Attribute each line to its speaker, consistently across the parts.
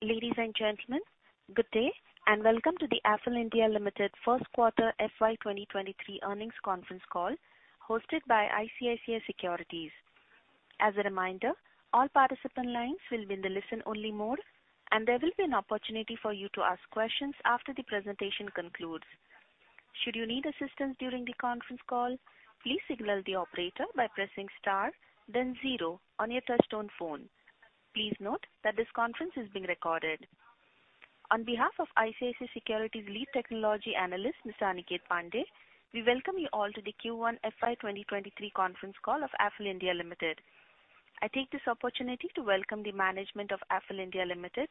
Speaker 1: Ladies and gentlemen, good day, and welcome to the Affle (India) Limited Q1 FY 2023 earnings conference call hosted by ICICI Securities. As a reminder, all participant lines will be in the listen-only mode, and there will be an opportunity for you to ask questions after the presentation concludes. Should you need assistance during the conference call, please signal the operator by pressing star then zero on your touchtone phone. Please note that this conference is being recorded. On behalf of ICICI Securities lead technology analyst, Mr. Aniket Pande, we welcome you all to the Q1 FY 2023 conference call of Affle (India) Limited. I take this opportunity to welcome the management of Affle (India) Limited,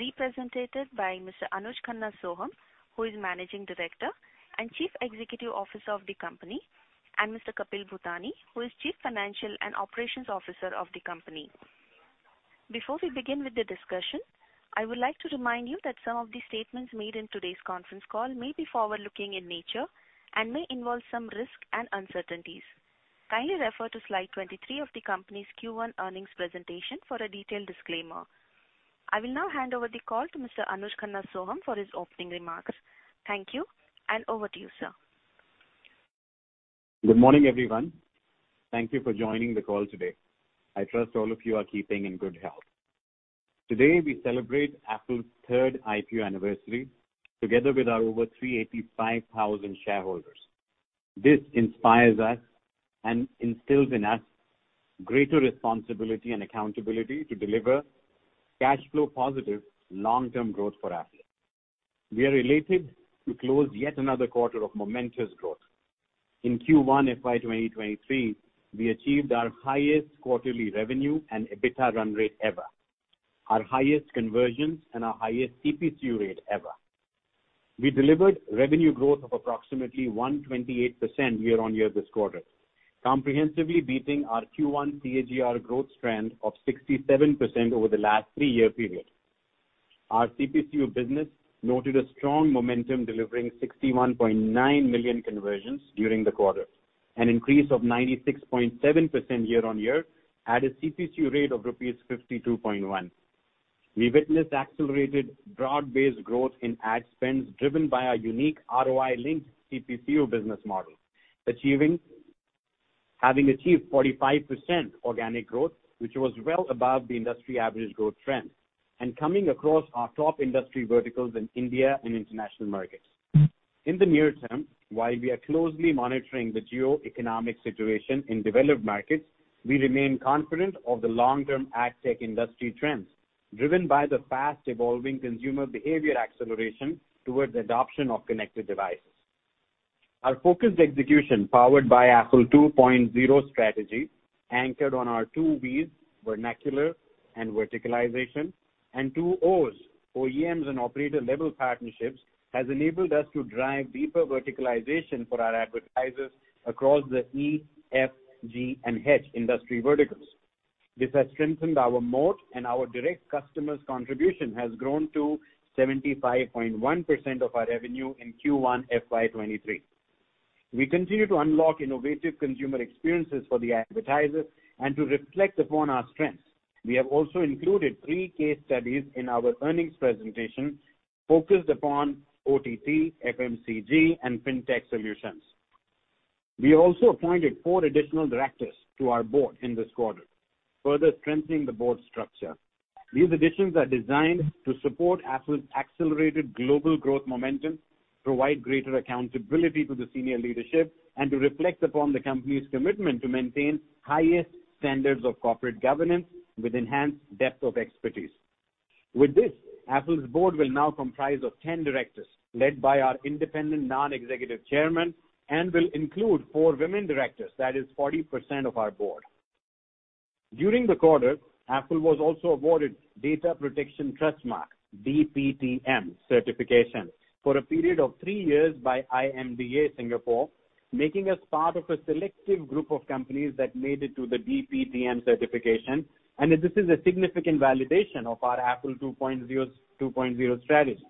Speaker 1: represented by Mr. Anuj Khanna Sohum, who is Managing Director and Chief Executive Officer of the company, and Mr. Kapil Bhutani, who is Chief Financial and Operations Officer of the company. Before we begin with the discussion, I would like to remind you that some of the statements made in today's conference call may be forward-looking in nature and may involve some risk and uncertainties. Kindly refer to slide 23 of the company's Q1 earnings presentation for a detailed disclaimer. I will now hand over the call to Mr. Anuj Khanna Sohum for his opening remarks. Thank you, and over to you, sir.
Speaker 2: Good morning, everyone. Thank you for joining the call today. I trust all of you are keeping in good health. Today, we celebrate Affle's third IPO anniversary together with our over 385,000 shareholders. This inspires us and instills in us greater responsibility and accountability to deliver cash flow positive long-term growth for Affle. We are elated to close yet another quarter of momentous growth. In Q1 FY 2023, we achieved our highest quarterly revenue and EBITDA run rate ever, our highest conversions and our highest CPCU rate ever. We delivered revenue growth of approximately 128% year-on-year this quarter, comprehensively beating our Q1 CAGR growth trend of 67% over the last three-year period. Our CPCU business noted a strong momentum, delivering 61.9 million conversions during the quarter, an increase of 96.7% year-on-year at a CPCU rate of rupees 52.1. We witnessed accelerated broad-based growth in ad spends driven by our unique ROI-linked CPCU business model, having achieved 45% organic growth, which was well above the industry average growth trend and coming across our top industry verticals in India and international markets. In the near term, while we are closely monitoring the geo-economic situation in developed markets, we remain confident of the long-term AdTech industry trends driven by the fast-evolving consumer behavior acceleration towards adoption of connected devices. Our focused execution, powered by Affle 2.0 strategy, anchored on our two V's, vernacular and verticalization, and two O's, OEMs and operator-level partnerships, has enabled us to drive deeper verticalization for our advertisers across the E, F, G, and H industry verticals. This has strengthened our moat, and our direct customers' contribution has grown to 75.1% of our revenue in Q1 FY 2023. We continue to unlock innovative consumer experiences for the advertisers and to reflect upon our strengths. We have also included three case studies in our earnings presentation focused upon OTT, FMCG, and Fintech solutions. We also appointed four additional directors to our board in this quarter, further strengthening the board structure. These additions are designed to support Affle's accelerated global growth momentum, provide greater accountability to the senior leadership, and to reflect upon the company's commitment to maintain highest standards of corporate governance with enhanced depth of expertise. With this, Affle's board will now comprise of 10 directors led by our independent non-executive chairman and will include four women directors, that is 40% of our board. During the quarter, Affle was also awarded Data Protection Trustmark, DPTM certification, for a period of three years by IMDA Singapore, making us part of a selective group of companies that made it to the DPTM certification, and this is a significant validation of our Affle 2.0 strategy.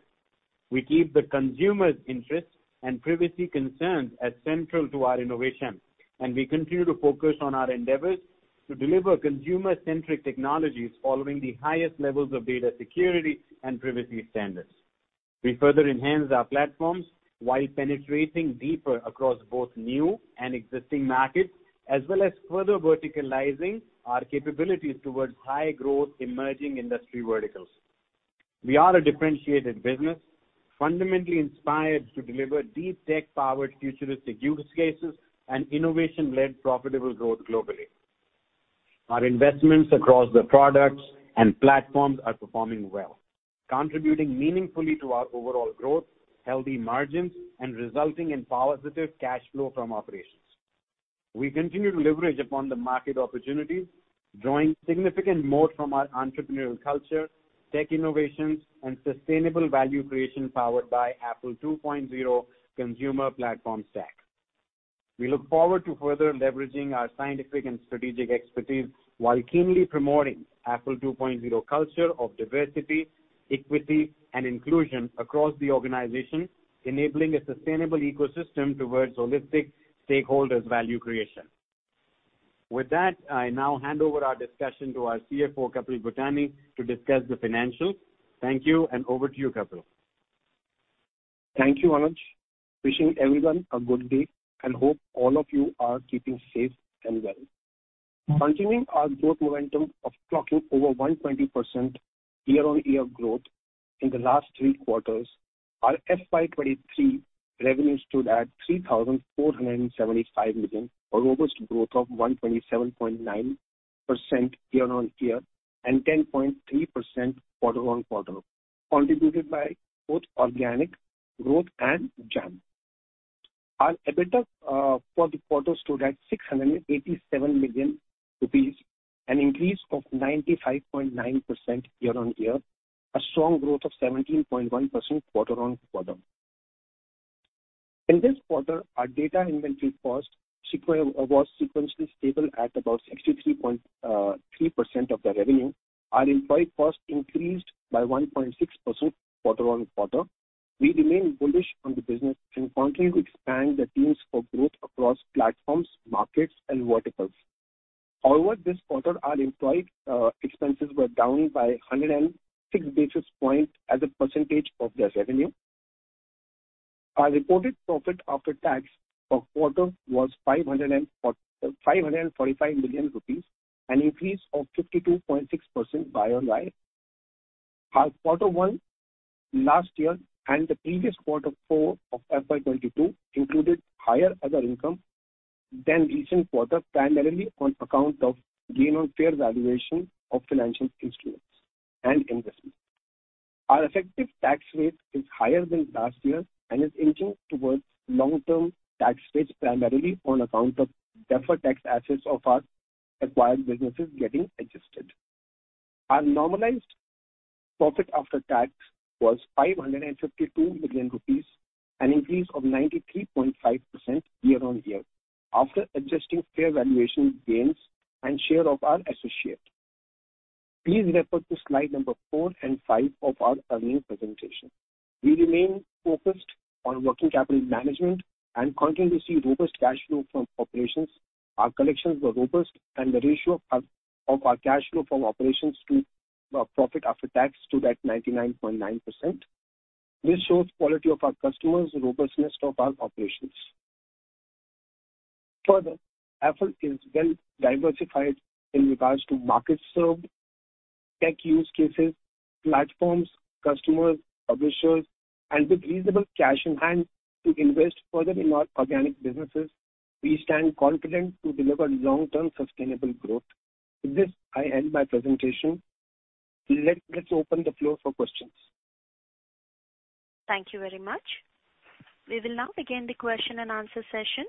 Speaker 2: We keep the consumers' interests and privacy concerns as central to our innovation, and we continue to focus on our endeavors to deliver consumer-centric technologies following the highest levels of data security and privacy standards. We further enhance our platforms while penetrating deeper across both new and existing markets, as well as further verticalizing our capabilities towards high-growth emerging industry verticals. We are a differentiated business, fundamentally inspired to deliver deep tech-powered futuristic use cases and innovation-led profitable growth globally. Our investments across the products and platforms are performing well, contributing meaningfully to our overall growth, healthy margins, and resulting in positive cash flow from operations. We continue to leverage upon the market opportunities, drawing significant moat from our entrepreneurial culture, tech innovations, and sustainable value creation powered by Affle 2.0 consumer platform stack. We look forward to further leveraging our scientific and strategic expertise while keenly promoting Affle 2.0 culture of diversity, equity, and inclusion across the organization, enabling a sustainable ecosystem towards holistic stakeholders' value creation. With that, I now hand over our discussion to our CFO, Kapil Bhutani, to discuss the financials. Thank you, and over to you, Kapil.
Speaker 3: Thank you, Anuj. Wishing everyone a good day and hope all of you are keeping safe and well. Continuing our growth momentum of clocking over 120% year-on-year growth in the last three quarters, our FY 2023 revenue stood at 3,475 million, a robust growth of 127.9% year-on-year and 10.3% quarter-on-quarter, contributed by both organic growth and Jampp. Our EBITDA for the quarter stood at 687 million rupees, an increase of 95.9% year-on-year, a strong growth of 17.1% quarter-on-quarter. In this quarter, our data inventory cost was sequentially stable at about 63.3% of the revenue. Our employee cost increased by 1.6% quarter-on-quarter. We remain bullish on the business and continue to expand the teams for growth across platforms, markets and verticals. Over this quarter, our employee expenses were down by 106 basis points as a percentage of this revenue. Our reported profit after tax for quarter was 545 million rupees, an increase of 52.6% year-on-year. Our quarter one last year and the previous Q4 of FY 2022 included higher other income than recent quarter, primarily on account of gain on fair valuation of financial instruments and investments. Our effective tax rate is higher than last year and is inching towards long-term tax rates primarily on account of deferred tax assets of our acquired businesses getting adjusted. Our normalized profit after tax was 552 million rupees, an increase of 93.5% year-on-year, after adjusting fair valuation gains and share of our associate. Please refer to slide number four and five of our earnings presentation. We remain focused on working capital management and continue to see robust cash flow from operations. Our collections were robust and the ratio of our cash flow from operations to our profit after tax stood at 99.9%. This shows quality of our customers and robustness of our operations. Further, Affle is well diversified in regards to markets served, tech use cases, platforms, customers, publishers, and with reasonable cash in hand to invest further in our organic businesses, we stand confident to deliver long-term sustainable growth. With this, I end my presentation. Let's open the floor for questions.
Speaker 1: Thank you very much. We will now begin the question-and-answer session.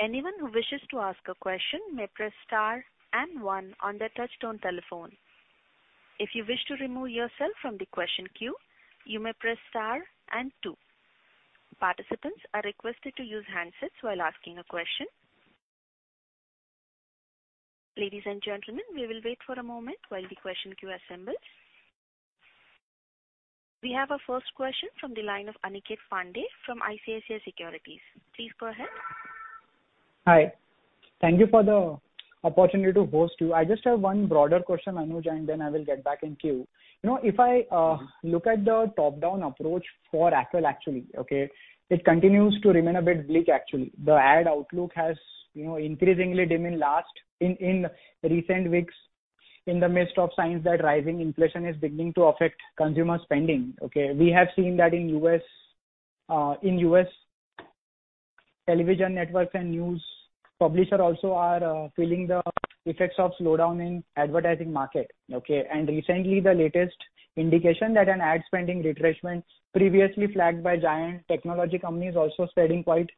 Speaker 1: Anyone who wishes to ask a question may press star and one on their touchtone telephone. If you wish to remove yourself from the question queue, you may press star and two. Participants are requested to use handsets while asking a question. Ladies and gentlemen, we will wait for a moment while the question queue assembles. We have our first question from the line of Aniket Pande from ICICI Securities. Please go ahead.
Speaker 4: Hi. Thank you for the opportunity to host you. I just have one broader question, Anuj, and then I will get back in queue. You know, if I look at the top-down approach for Affle actually, okay, it continues to remain a bit bleak actually. The ad outlook has, you know, increasingly dimmed in recent weeks in the midst of signs that rising inflation is beginning to affect consumer spending, okay. We have seen that in U.S. television networks and news publishers also are feeling the effects of slowdown in advertising market, okay. Recently, the latest indication that an ad spending retrenchment previously flagged by giant technology companies also spreading quite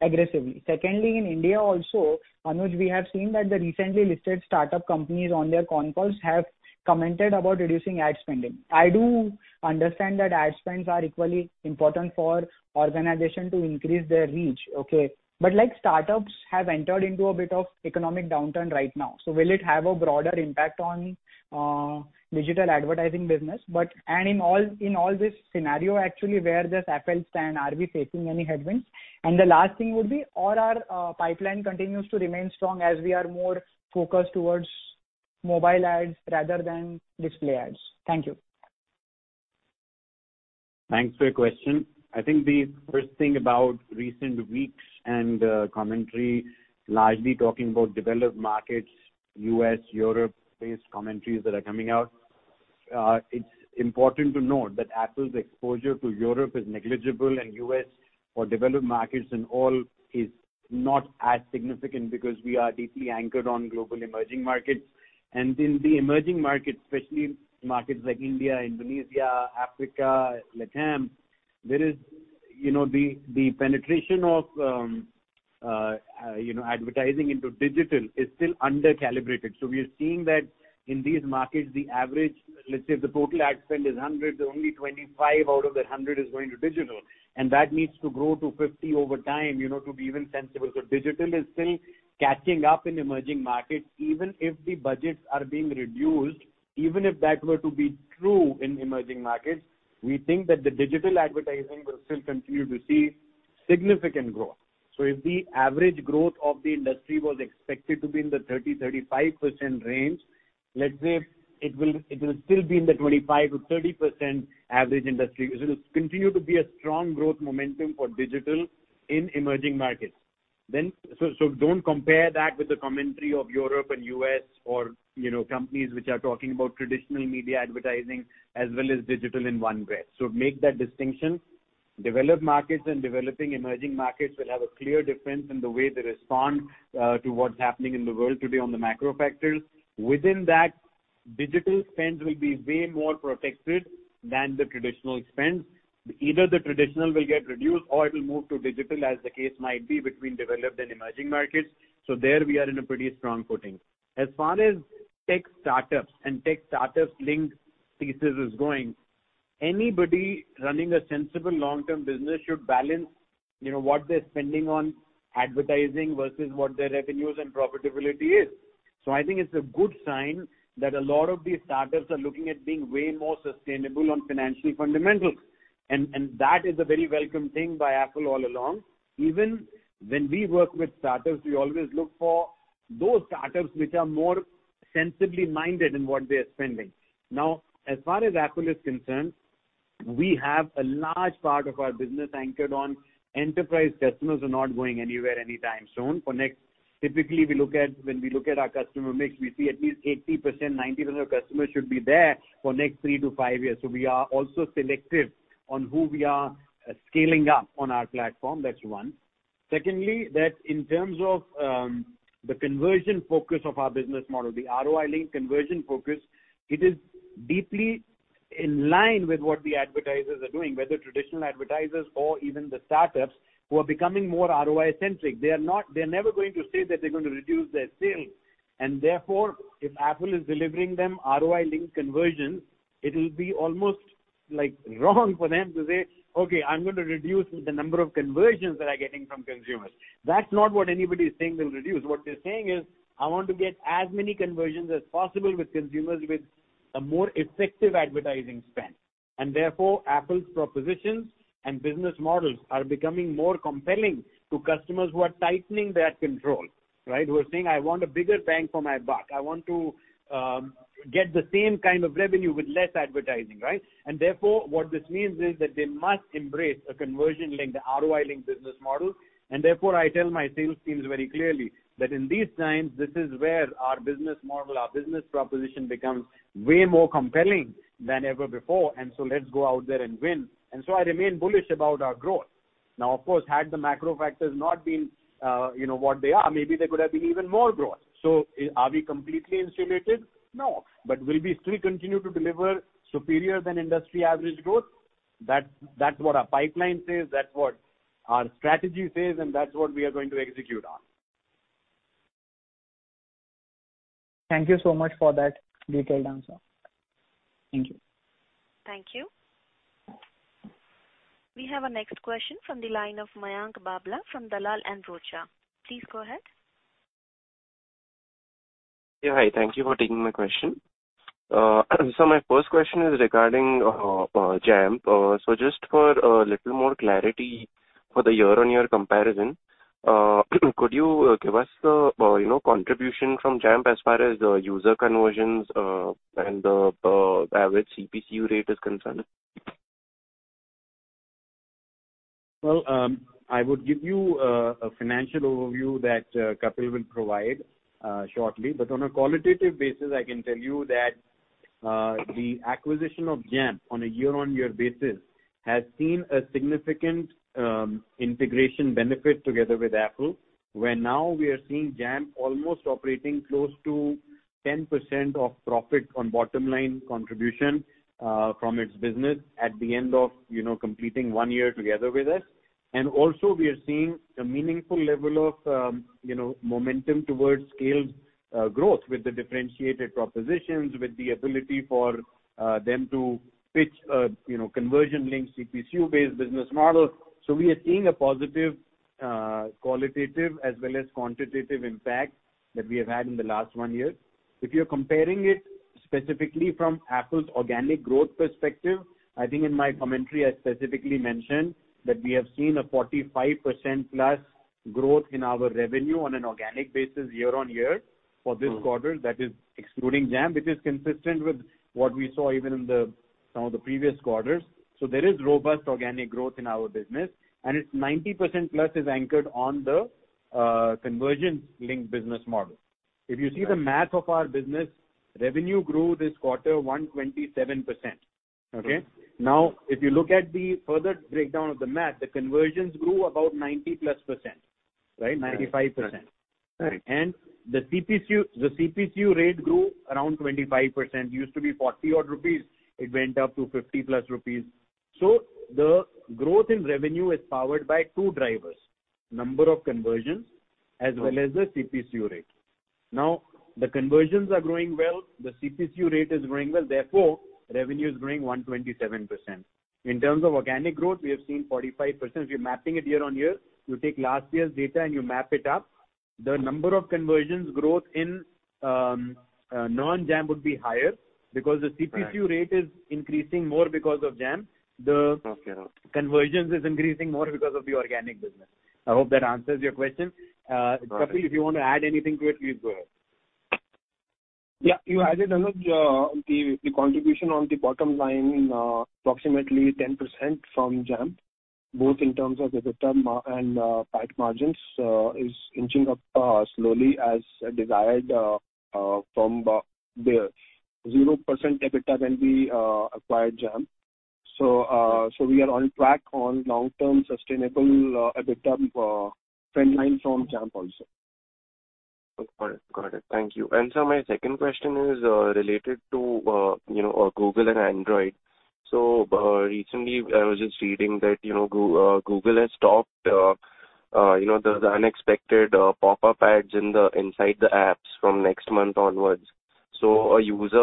Speaker 4: aggressively. Secondly, in India also, Anuj, we have seen that the recently listed startup companies on their concalls have commented about reducing ad spending. I do understand that ad spends are equally important for organization to increase their reach, okay, but like startups have entered into a bit of economic downturn right now. Will it have a broader impact on digital advertising business? In all this scenario actually where does Affle stand? Are we facing any headwinds? The last thing would be our pipeline continues to remain strong as we are more focused towards mobile ads rather than display ads. Thank you.
Speaker 2: Thanks for your question. I think the first thing about recent weeks and commentary largely talking about developed markets, US, Europe-based commentaries that are coming out, it's important to note that Affle's exposure to Europe is negligible and US or developed markets in all is not as significant because we are deeply anchored on global emerging markets. In the emerging markets, especially markets like India, Indonesia, Africa, LATAM, there is, you know, the penetration of advertising into digital is still under-calibrated. We are seeing that in these markets, the average, let's say if the total ad spend is 100, only 25 out of that 100 is going to digital, and that needs to grow to 50 over time, you know, to be even sensible. Digital is still catching up in emerging markets. Even if the budgets are being reduced, even if that were to be true in emerging markets, we think that the digital advertising will still continue to see significant growth. If the average growth of the industry was expected to be in the 30%-35% range, let's say it will, it will still be in the 25%-30% average industry. It will continue to be a strong growth momentum for digital in emerging markets. Don't compare that with the commentary of Europe and US or, you know, companies which are talking about traditional media advertising as well as digital in one breath. Make that distinction. Developed markets and developing emerging markets will have a clear difference in the way they respond to what's happening in the world today on the macro factors. Within that, digital spends will be way more protected than the traditional spends. Either the traditional will get reduced or it will move to digital as the case might be between developed and emerging markets. There we are in a pretty strong footing. As far as tech startups linked thesis is going, anybody running a sensible long-term business should balance, you know, what they're spending on advertising versus what their revenues and profitability is. I think it's a good sign that a lot of these startups are looking at being way more sustainable on financial fundamentals. That is a very welcome thing by Affle all along. Even when we work with startups, we always look for those startups which are more sensibly minded in what they are spending. Now, as far as Affle is concerned, we have a large part of our business anchored on enterprise customers are not going anywhere anytime soon. Typically, when we look at our customer mix, we see at least 80%, 90% of customers should be there for next three-five years. We are also selective on who we are scaling up on our platform. That's one. Secondly, that in terms of, the conversion focus of our business model, the ROI link conversion focus, it is deeply in line with what the advertisers are doing, whether traditional advertisers or even the startups who are becoming more ROI-centric. They're never going to say that they're going to reduce their sales. Therefore, if Affle is delivering them ROI link conversions, it will be almost, like, wrong for them to say, "Okay, I'm going to reduce the number of conversions that I'm getting from consumers." That's not what anybody is saying they'll reduce. What they're saying is, "I want to get as many conversions as possible with consumers with a more effective advertising spend." Therefore, Affle's propositions and business models are becoming more compelling to customers who are tightening their control, right? Who are saying, "I want a bigger bang for my buck. I want to get the same kind of revenue with less advertising," right? Therefore, what this means is that they must embrace a conversion link, the ROI link business model. Therefore, I tell my sales teams very clearly that in these times, this is where our business model, our business proposition becomes way more compelling than ever before. Let's go out there and win. I remain bullish about our growth. Now, of course, had the macro factors not been, you know, what they are, maybe there could have been even more growth. Are we completely insulated? No. Will we still continue to deliver superior than industry average growth? That's what our pipeline says, that's what our strategy says, and that's what we are going to execute on.
Speaker 4: Thank you so much for that detailed answer. Thank you.
Speaker 1: Thank you. We have our next question from the line of Mayank Babla from Dalal & Broacha. Please go ahead.
Speaker 5: Yeah. Hi. Thank you for taking my question. My first question is regarding Jampp. Just for a little more clarity for the year-over-year comparison, could you give us the, you know, contribution from Jampp as far as the user conversions and the average CPCU rate is concerned?
Speaker 2: Well, I would give you a financial overview that Kapil will provide shortly. On a qualitative basis, I can tell you that the acquisition of Jampp on a year-on-year basis has seen a significant integration benefit together with Affle. Where now we are seeing Jampp almost operating close to 10% of profit on bottom line contribution from its business at the end of, you know, completing one year together with us. We are seeing a meaningful level of, you know, momentum towards scaled growth with the differentiated propositions, with the ability for them to pitch a, you know, conversion-linked CPCU-based business model. We are seeing a positive qualitative as well as quantitative impact that we have had in the last one year. If you're comparing it specifically from Affle's organic growth perspective, I think in my commentary, I specifically mentioned that we have seen a 45%+ growth in our revenue on an organic basis year-on-year for this quarter that is excluding Jampp, which is consistent with what we saw even in some of the previous quarters. There is robust organic growth in our business, and it's 90%+ anchored on the conversion-linked business model. If you see the math of our business, revenue grew this quarter 127%. Okay? Now, if you look at the further breakdown of the math, the conversions grew about 90%+, right? 95%.
Speaker 5: Right.
Speaker 2: The CPCU rate grew around 25%. Used to be 40-odd rupees, it went up to 50+ rupees. The growth in revenue is powered by two drivers, number of conversions as well as the CPCU rate. Now, the conversions are growing well, the CPCU rate is growing well, therefore, revenue is growing 127%. In terms of organic growth, we have seen 45%. If you're mapping it year-on-year, you take last year's data and you map it up. The number of conversions growth in non-Jampp would be higher because the CPCU rate is increasing more because of Jampp.
Speaker 5: Okay.
Speaker 2: The conversions is increasing more because of the organic business. I hope that answers your question.
Speaker 5: Okay.
Speaker 2: Kapil, if you want to add anything to it, please go ahead.
Speaker 3: Yeah. You added, Anuj, the contribution on the bottom line, approximately 10% from Jampp, both in terms of EBITDA margin and profit margins, is inching up slowly as desired from the 0% EBITDA when we acquired Jampp. We are on track on long-term sustainable EBITDA trendline from Jampp also.
Speaker 5: Got it. Thank you. My second question is related to Google and Android. Recently I was just reading that Google has stopped the unexpected pop-up ads inside the apps from next month onwards. A user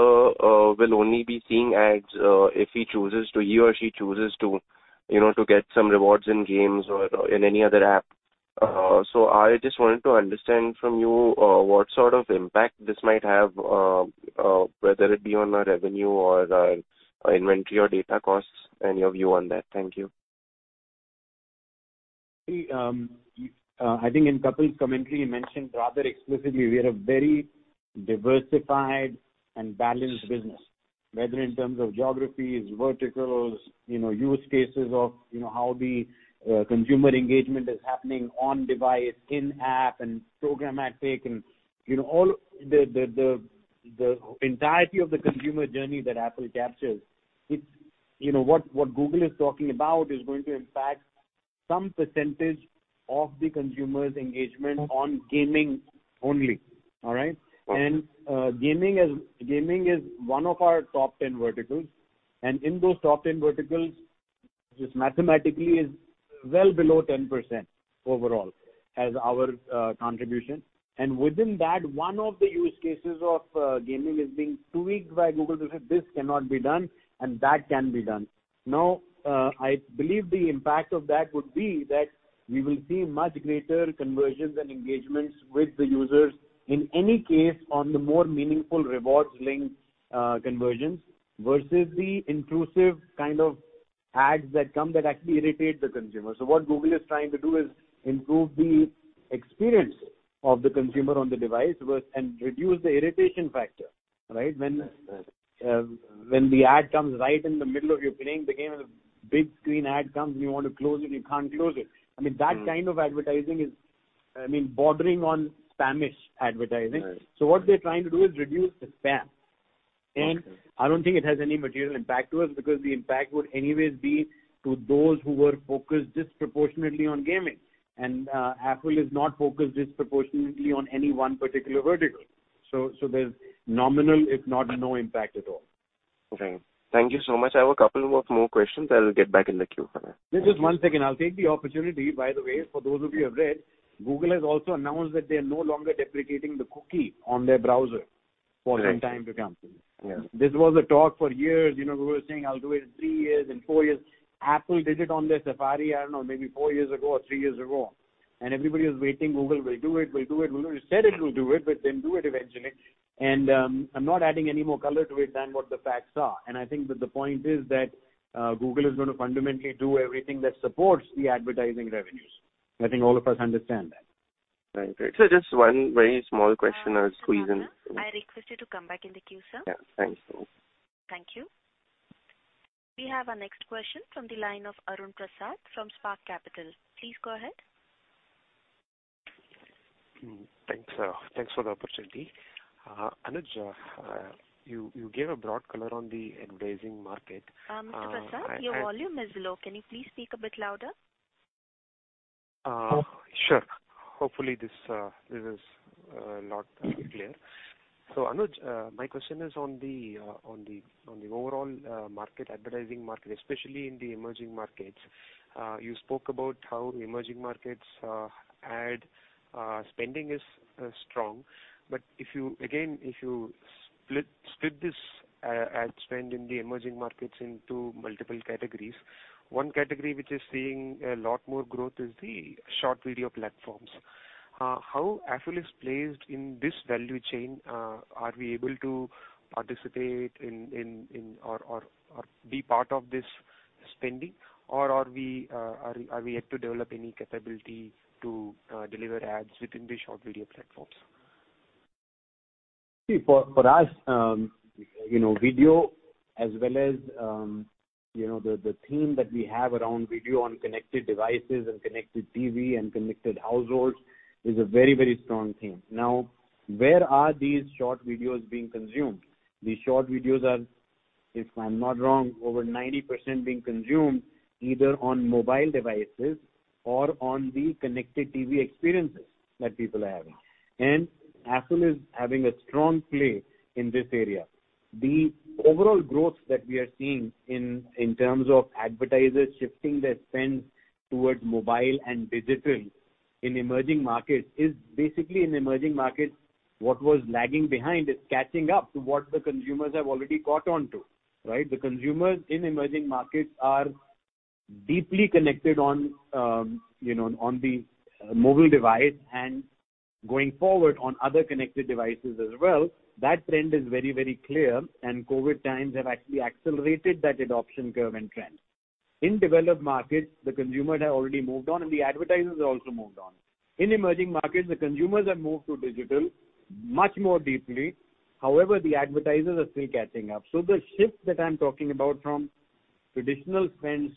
Speaker 5: will only be seeing ads if he or she chooses to get some rewards in games or in any other app. I just wanted to understand from you what sort of impact this might have, whether it be on the revenue or the inventory or data costs, and your view on that. Thank you.
Speaker 2: I think in Kapil's commentary, he mentioned rather explicitly, we are a very diversified and balanced business, whether in terms of geographies, verticals, you know, use cases of, you know, how the consumer engagement is happening on device, in app and programmatic tech and, you know, all the entirety of the consumer journey that Affle captures. It's, you know, what Google is talking about is going to impact some percentage of the consumer's engagement on gaming only. All right?
Speaker 5: Right.
Speaker 2: Gaming is one of our top 10 verticals. In those top 10 verticals, just mathematically is well below 10% overall as our contribution. Within that, one of the use cases of gaming is being tweaked by Google to say, "This cannot be done and that can be done." Now, I believe the impact of that would be that we will see much greater conversions and engagements with the users in any case on the more meaningful rewards-linked conversions versus the intrusive kind of ads that come that actually irritate the consumer. What Google is trying to do is improve the experience of the consumer on the device with, and reduce the irritation factor, right?
Speaker 5: Yes.
Speaker 2: When the ad comes right in the middle of your playing the game and a big screen ad comes and you want to close it, and you can't close it. I mean, that kind of advertising is, I mean, bordering on spam-ish advertising.
Speaker 5: Right.
Speaker 2: What they're trying to do is reduce the spam.
Speaker 5: Okay.
Speaker 2: I don't think it has any material impact to us because the impact would anyways be to those who were focused disproportionately on gaming. Affle is not focused disproportionately on any one particular vertical. There's nominal, if not no impact at all.
Speaker 5: Okay. Thank you so much. I have a couple of more questions. I'll get back in the queue for that.
Speaker 2: Just one second. I'll take the opportunity. By the way, for those of you who have read, Google has also announced that they are no longer deprecating the cookie on their browser for some time to come.
Speaker 5: Right. Yeah.
Speaker 2: This was a talk for years. You know, Google was saying, "I'll do it in three years, in four years." Affle did it on their Safari, I don't know, maybe four years ago or three years ago. Everybody was waiting, Google will do it. Google said it will do it, but then do it eventually. I'm not adding any more color to it than what the facts are. I think that the point is that, Google is going to fundamentally do everything that supports the advertising revenues. I think all of us understand that.
Speaker 5: Right. Just one very small question as reason.
Speaker 1: Mr. Anuj, I request you to come back in the queue, sir.
Speaker 5: Yeah. Thanks.
Speaker 1: Thank you. We have our next question from the line of Arun Prasath from Spark Capital. Please go ahead.
Speaker 6: Thanks for the opportunity. Anuj, you gave a broad color on the advertising market.
Speaker 1: Mr. Prasath, your volume is low. Can you please speak a bit louder?
Speaker 6: Sure. Hopefully this is a lot clearer. Anuj, my question is on the overall market, advertising market, especially in the emerging markets. You spoke about how emerging markets ad spending is strong. If you again split this ad spend in the emerging markets into multiple categories, one category which is seeing a lot more growth is the short video platforms. How Affle is placed in this value chain? Are we able to participate in or be part of this spending? Or are we yet to develop any capability to deliver ads within the short video platforms?
Speaker 2: See, for us, you know, video as well as, you know, the team that we have around video on connected devices and Connected TV and connected households is a very strong team. Now, where are these short videos being consumed? These short videos are, if I'm not wrong, over 90% being consumed either on mobile devices or on the Connected TV experiences that people are having. Affle is having a strong play in this area. The overall growth that we are seeing in terms of advertisers shifting their spend towards mobile and digital in emerging markets is basically in emerging markets, what was lagging behind is catching up to what the consumers have already caught on to, right? The consumers in emerging markets are deeply connected on the mobile device and going forward on other connected devices as well. That trend is very, very clear, and COVID times have actually accelerated that adoption curve and trend. In developed markets, the consumers have already moved on, and the advertisers have also moved on. In emerging markets, the consumers have moved to digital much more deeply. However, the advertisers are still catching up. The shift that I'm talking about from traditional spends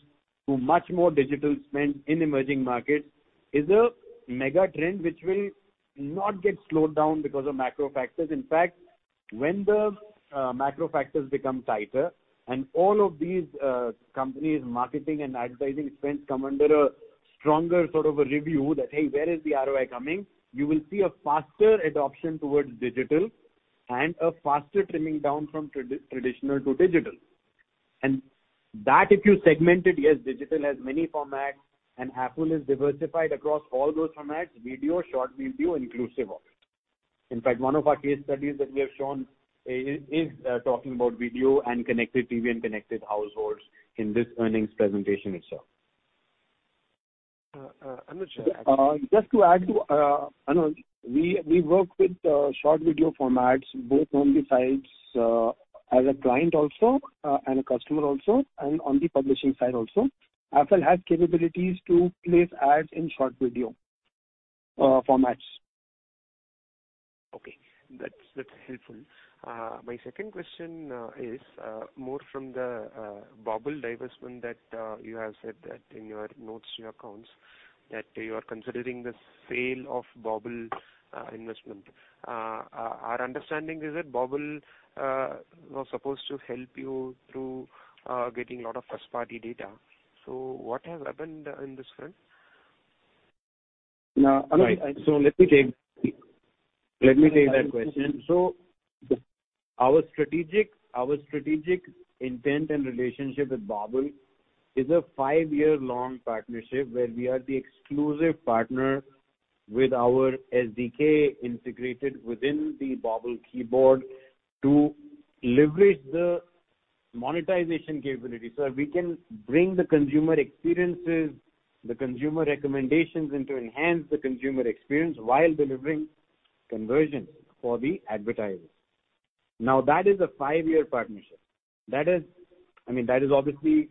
Speaker 2: to much more digital spend in emerging markets is a mega trend which will not get slowed down because of macro factors. In fact, when the macro factors become tighter and all of these companies' marketing and advertising spends come under a stronger sort of a review that, "Hey, where is the ROI coming?" You will see a faster adoption towards digital and a faster trimming down from traditional to digital. That, if you segment it, yes, digital has many formats, and Affle is diversified across all those formats, video, short video inclusive of it. In fact, one of our case studies that we have shown is talking about video and Connected TV and connected households in this earnings presentation itself.
Speaker 3: Anuj, just to add to Anuj, we work with short video formats, both on the sides, as a client also, and a customer also, and on the publishing side also. Affle has capabilities to place ads in short video formats.
Speaker 6: Okay. That's helpful. My second question is more from the Bobble divestment that you have said that in your notes and your accounts, that you are considering the sale of Bobble investment. Our understanding is that Bobble was supposed to help you through getting a lot of first-party data. What has happened in this front?
Speaker 3: Now, Anuj
Speaker 2: Right. Let me take that question. Our strategic intent and relationship with Bobble is a five-year-long partnership where we are the exclusive partner with our SDK integrated within the Bobble keyboard to leverage the monetization capability, so that we can bring the consumer experiences, the consumer recommendations, and to enhance the consumer experience while delivering conversion for the advertisers. Now, that is a five-year partnership. That is, I mean, obviously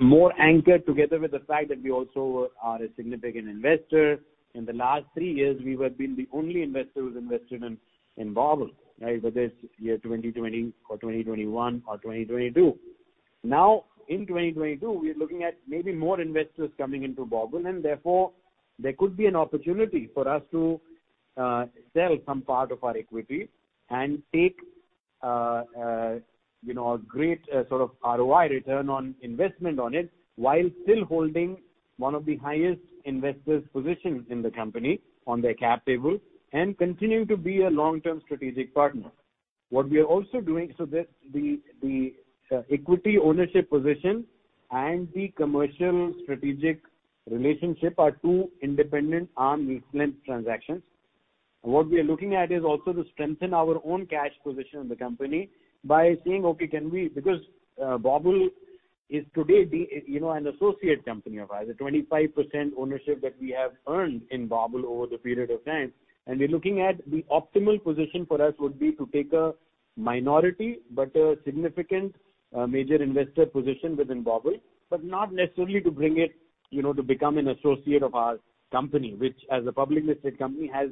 Speaker 2: more anchored together with the fact that we also are a significant investor. In the last three years, we have been the only investor who's invested in Bobble, right? Whether it's year 2020 or 2021 or 2022. Now, in 2022, we are looking at maybe more investors coming into Bobble, and therefore, there could be an opportunity for us to sell some part of our equity and take, you know, a great sort of ROI return on investment on it, while still holding one of the highest investors' position in the company on their cap table and continue to be a long-term strategic partner. What we are also doing, the equity ownership position and the commercial strategic relationship are two independent arm's length transactions. What we are looking at is also to strengthen our own cash position in the company by saying, "Okay, can we..." Because, Bobble is today, you know, an associate company of ours, a 25% ownership that we have earned in Bobble over the period of time. We're looking at the optimal position for us would be to take a minority, but a significant, major investor position within Bobble, but not necessarily to bring it, you know, to become an associate of our company, which as a public listed company, has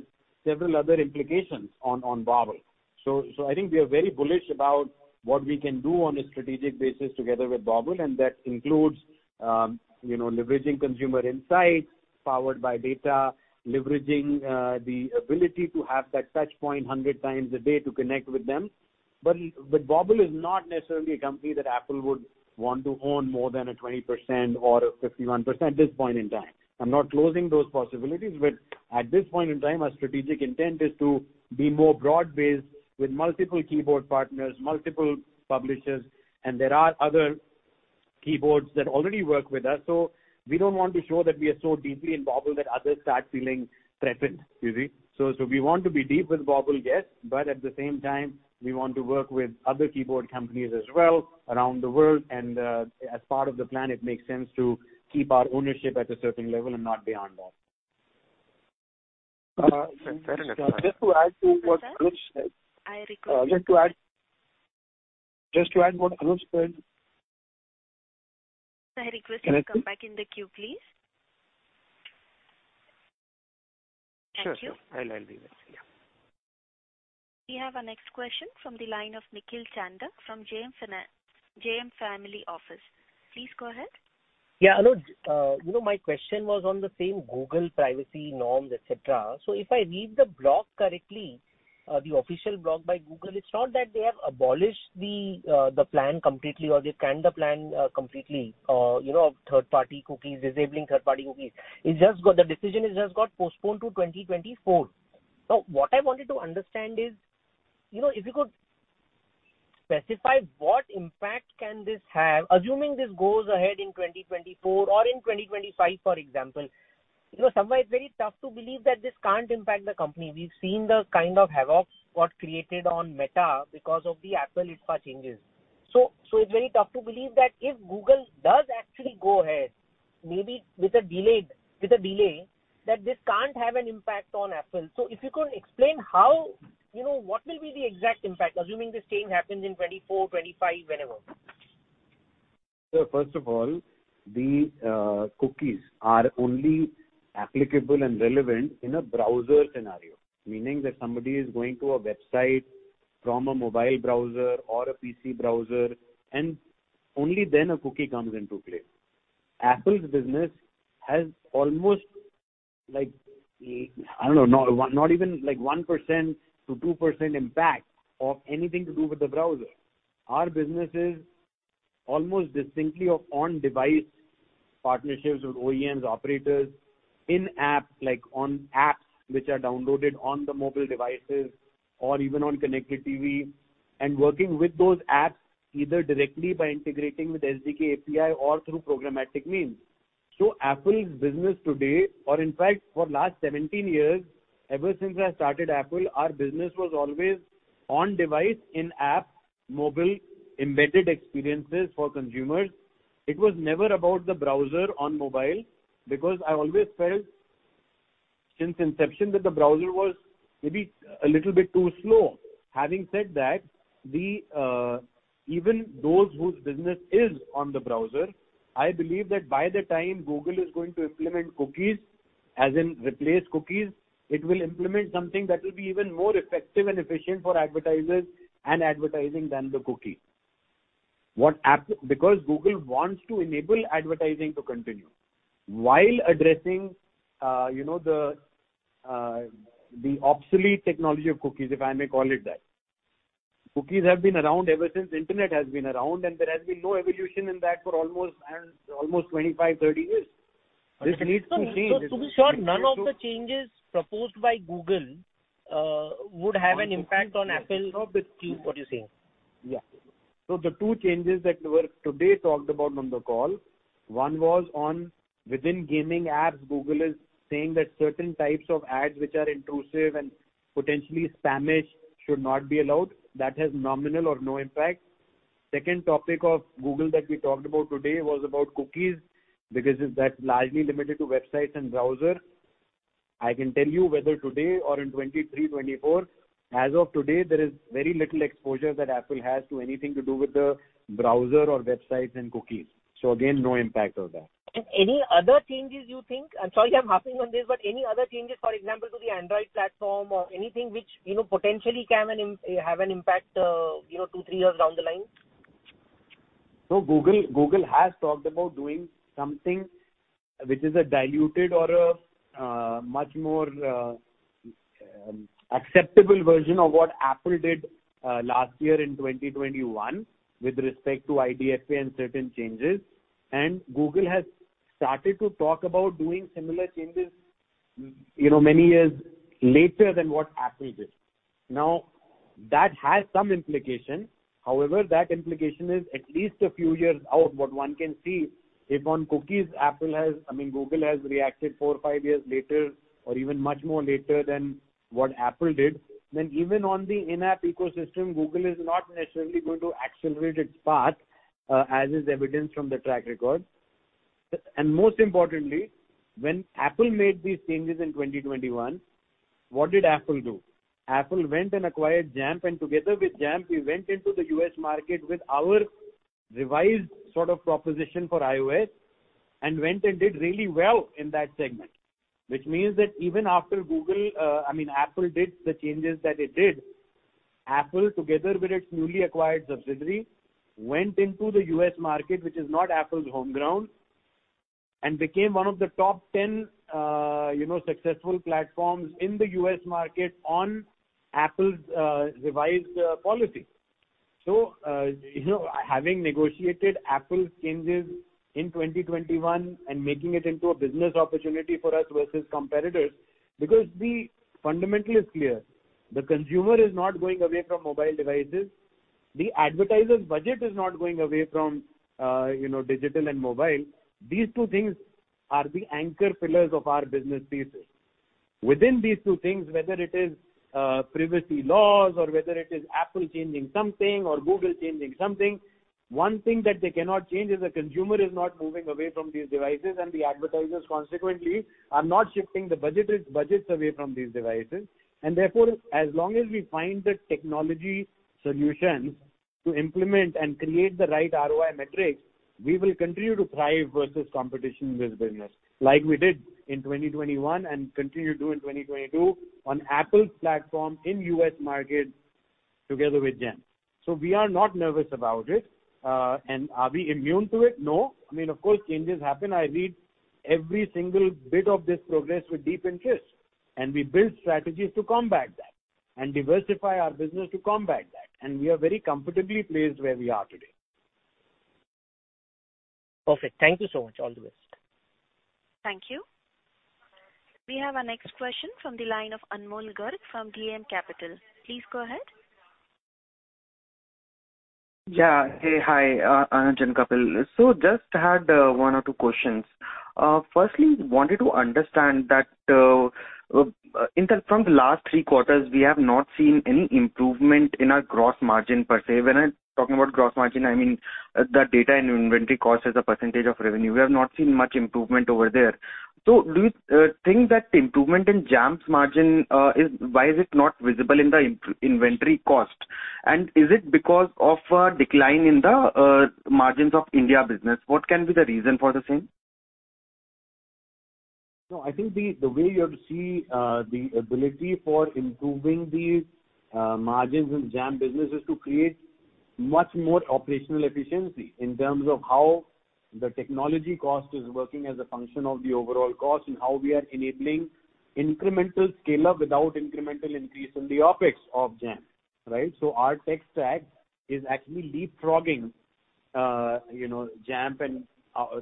Speaker 2: several other implications on Bobble. So I think we are very bullish about what we can do on a strategic basis together with Bobble, and that includes, you know, leveraging consumer insights powered by data, leveraging the ability to have that touch point 100x a day to connect with them. But Bobble is not necessarily a company that Affle would want to own more than a 20% or a 51% this point in time. I'm not closing those possibilities. At this point in time, our strategic intent is to be more broad-based with multiple keyboard partners, multiple publishers, and there are other keyboards that already work with us. We don't want to show that we are so deeply in Bobble that others start feeling threatened. You see? We want to be deep with Bobble, yes. At the same time, we want to work with other keyboard companies as well around the world. As part of the plan, it makes sense to keep our ownership at a certain level and not beyond that.
Speaker 3: Just to add to what Anuj Khanna Sohum said.
Speaker 1: Sir, I request you.
Speaker 3: Just to add.
Speaker 1: Sir.
Speaker 3: Just to add to what Anuj said.
Speaker 1: Sir, I request you to come back in the queue, please. Thank you.
Speaker 6: Sure, sure. I'll do that. Yeah.
Speaker 1: We have our next question from the line of Nikhil Chandak from JM Financial. Please go ahead.
Speaker 7: Anuj, you know, my question was on the same Google privacy norms, et cetera. If I read the blog correctly, the official blog by Google, it's not that they have abolished the plan completely or they canned the plan completely. You know, third-party cookies, disabling third-party cookies. The decision has just got postponed to 2024. What I wanted to understand is, you know, if you could specify what impact can this have, assuming this goes ahead in 2024 or in 2025, for example. You know, Sohum, it's very tough to believe that this can't impact the company. We've seen the kind of havoc got created on Meta because of the Affle IDFA changes. It's very tough to believe that if Google does actually go ahead, maybe with a delay, that this can't have an impact on Affle. If you could explain how, you know, what will be the exact impact, assuming this change happens in 2024, 2025, whenever?
Speaker 2: First of all, cookies are only applicable and relevant in a browser scenario. Meaning that somebody is going to a website from a mobile browser or a PC browser, and only then a cookie comes into play. Affle's business has almost not even 1%-2% impact of anything to do with the browser. Our business is almost distinctly on-device partnerships with OEMs, operators, in-app, like on apps which are downloaded on the mobile devices or even on connected TV, and working with those apps either directly by integrating with SDK API or through programmatic means. Affle's business today or in fact for the last 17 years, ever since I started Affle, our business was always on-device, in-app, mobile-embedded experiences for consumers. It was never about the browser on mobile, because I always felt since inception that the browser was maybe a little bit too slow. Having said that, then even those whose business is on the browser, I believe that by the time Google is going to implement cookies, as in replace cookies, it will implement something that will be even more effective and efficient for advertisers and advertising than the cookie. Because Google wants to enable advertising to continue while addressing, you know, the obsolete technology of cookies, if I may call it that. Cookies have been around ever since internet has been around, and there has been no evolution in that for almost 25-30 years. This needs to change.
Speaker 7: To be sure, none of the changes proposed by Google would have an impact on Affle with what you're saying.
Speaker 2: Yeah. The two changes that were talked about today on the call, one was within gaming apps, Google is saying that certain types of ads which are intrusive and potentially spammy should not be allowed. That has nominal or no impact. Second topic of Google that we talked about today was about cookies, because that's largely limited to websites and browser. I can tell you, whether today or in 2023, 2024, as of today, there is very little exposure that Affle has to anything to do with the browser or websites and cookies. Again, no impact of that.
Speaker 7: Any other changes you think? I'm sorry I'm harping on this, but any other changes, for example, to the Android platform or anything which, you know, potentially can have an impact, you know, 2-3 years down the line?
Speaker 2: Google has talked about doing something which is a diluted or a much more acceptable version of what Affle did last year in 2021 with respect to IDFA and certain changes. Google has started to talk about doing similar changes, you know, many years later than what Affle did. Now, that has some implication. However, that implication is at least a few years out. What one can see, if on cookies, I mean, Google has reacted four or five years later or even much more later than what Affle did, then even on the in-app ecosystem, Google is not necessarily going to accelerate its path, as is evidenced from the track record. Most importantly, when Affle made these changes in 2021, what did Affle do? Affle went and acquired Jampp, and together with Jampp, we went into the U.S. market with our revised sort of proposition for iOS and went and did really well in that segment. Which means that even after Affle did the changes that it did, Affle, together with its newly acquired subsidiary, went into the U.S. market, which is not Affle's home ground, and became one of the top 10, you know, successful platforms in the U.S. market on Affle's revised policy. Having negotiated Affle's changes in 2021 and making it into a business opportunity for us versus competitors, because the fundamental is clear. The consumer is not going away from mobile devices. The advertiser's budget is not going away from, you know, digital and mobile. These two things are the anchor pillars of our business thesis. Within these two things, whether it is privacy laws or whether it is Affle changing something or Google changing something, one thing that they cannot change is the consumer is not moving away from these devices, and the advertisers consequently are not shifting the budget, budgets away from these devices. Therefore, as long as we find the technology solutions to implement and create the right ROI metrics, we will continue to thrive versus competition with business, like we did in 2021 and continue to in 2022 on Affle's platform in U.S. market together with Jampp. We are not nervous about it. Are we immune to it? No. I mean, of course, changes happen. I read every single bit of this progress with deep interest, and we build strategies to combat that and diversify our business to combat that. We are very comfortably placed where we are today.
Speaker 7: Perfect. Thank you so much. All the best.
Speaker 1: Thank you. We have our next question from the line of Anmol Garg from DAM Capital. Please go ahead.
Speaker 8: Yeah. Hey. Hi, Anuj and Kapil. Just had one or two questions. Firstly, wanted to understand that from the last three quarters, we have not seen any improvement in our gross margin per se. When I'm talking about gross margin, I mean the data and inventory cost as a percentage of revenue. We have not seen much improvement over there. Do you think that the improvement in Jampp's margin is why is it not visible in the inventory cost? Is it because of a decline in the margins of India business? What can be the reason for the same?
Speaker 2: No, I think the way you have to see the ability for improving these margins in Jampp business is to create much more operational efficiency in terms of how the technology cost is working as a function of the overall cost and how we are enabling incremental scale-up without incremental increase in the OpEx of Jampp, right? Our tech stack is actually leapfrogging, you know, Jampp and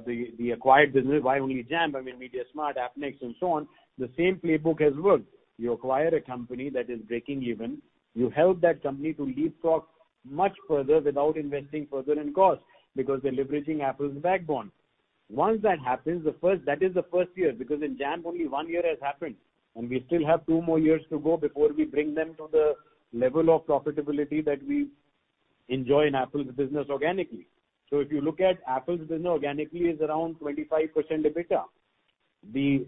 Speaker 2: the acquired business. Why only Jampp? I mean, mediasmart, Appnext, and so on. The same playbook has worked. You acquire a company that is breaking even, you help that company to leapfrog much further without investing further in cost because they're leveraging Apple's backbone. Once that happens, the first. That is the first year, because in Jampp only one year has happened, and we still have two more years to go before we bring them to the level of profitability that we enjoy in Affle's business organically. If you look at Affle's business organically is around 25% EBITDA. The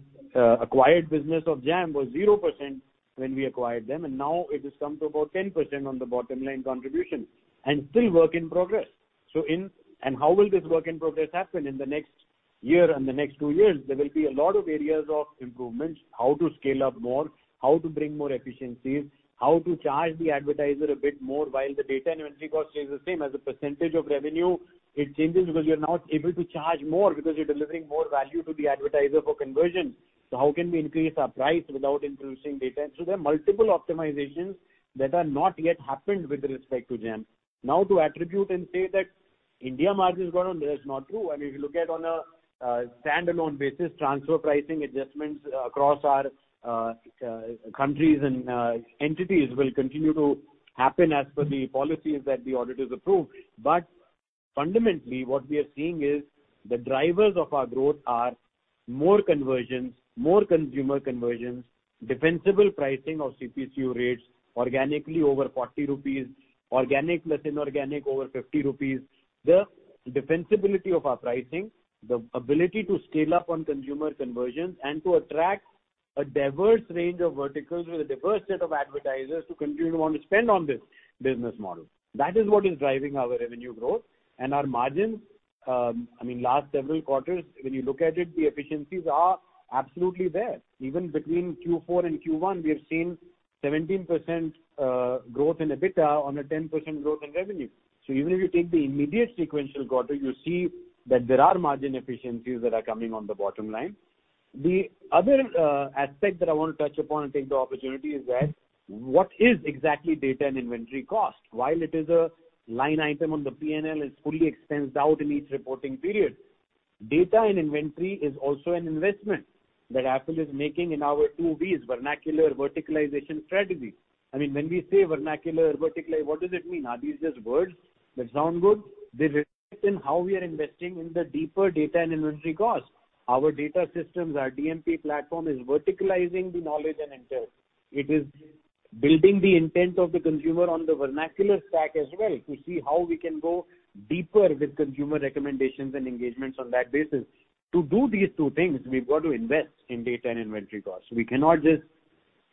Speaker 2: acquired business of Jampp was 0% when we acquired them, and now it has come to about 10% on the bottom line contribution, and still work in progress. How will this work in progress happen? In the next year and the next two years, there will be a lot of areas of improvements, how to scale up more, how to bring more efficiencies, how to charge the advertiser a bit more while the data inventory cost stays the same. As a percentage of revenue, it changes because you're now able to charge more because you're delivering more value to the advertiser for conversion. How can we increase our price without increasing data? There are multiple optimizations that are not yet happened with respect to Jampp. Now, to attribute and say that India margins go down, that is not true. I mean, if you look at on a standalone basis, transfer pricing adjustments across our countries and entities will continue to happen as per the policies that the auditors approve. Fundamentally, what we are seeing is the drivers of our growth are more conversions, more consumer conversions, defensible pricing of CPC rates organically over 40 rupees, organic plus inorganic over 50 rupees. The defensibility of our pricing, the ability to scale up on consumer conversions and to attract a diverse range of verticals with a diverse set of advertisers who continue to want to spend on this business model. That is what is driving our revenue growth and our margins. I mean, last several quarters, when you look at it, the efficiencies are absolutely there. Even between Q4 and Q1, we have seen 17% growth in EBITDA on a 10% growth in revenue. Even if you take the immediate sequential quarter, you see that there are margin efficiencies that are coming on the bottom line. The other aspect that I want to touch upon and take the opportunity is that what exactly is data and inventory cost. While it is a line item on the P&L, it is fully expensed out in each reporting period. Data and inventory is also an investment that Affle is making in our two V's, vernacular verticalization strategy. I mean, when we say vernacular verticalization, what does it mean? Are these just words that sound good? They reflect in how we are investing in the deeper data and inventory costs. Our data systems, our DMP platform, is verticalizing the knowledge and intent. It is building the intent of the consumer on the vernacular stack as well to see how we can go deeper with consumer recommendations and engagements on that basis. To do these two things, we've got to invest in data and inventory costs. We cannot just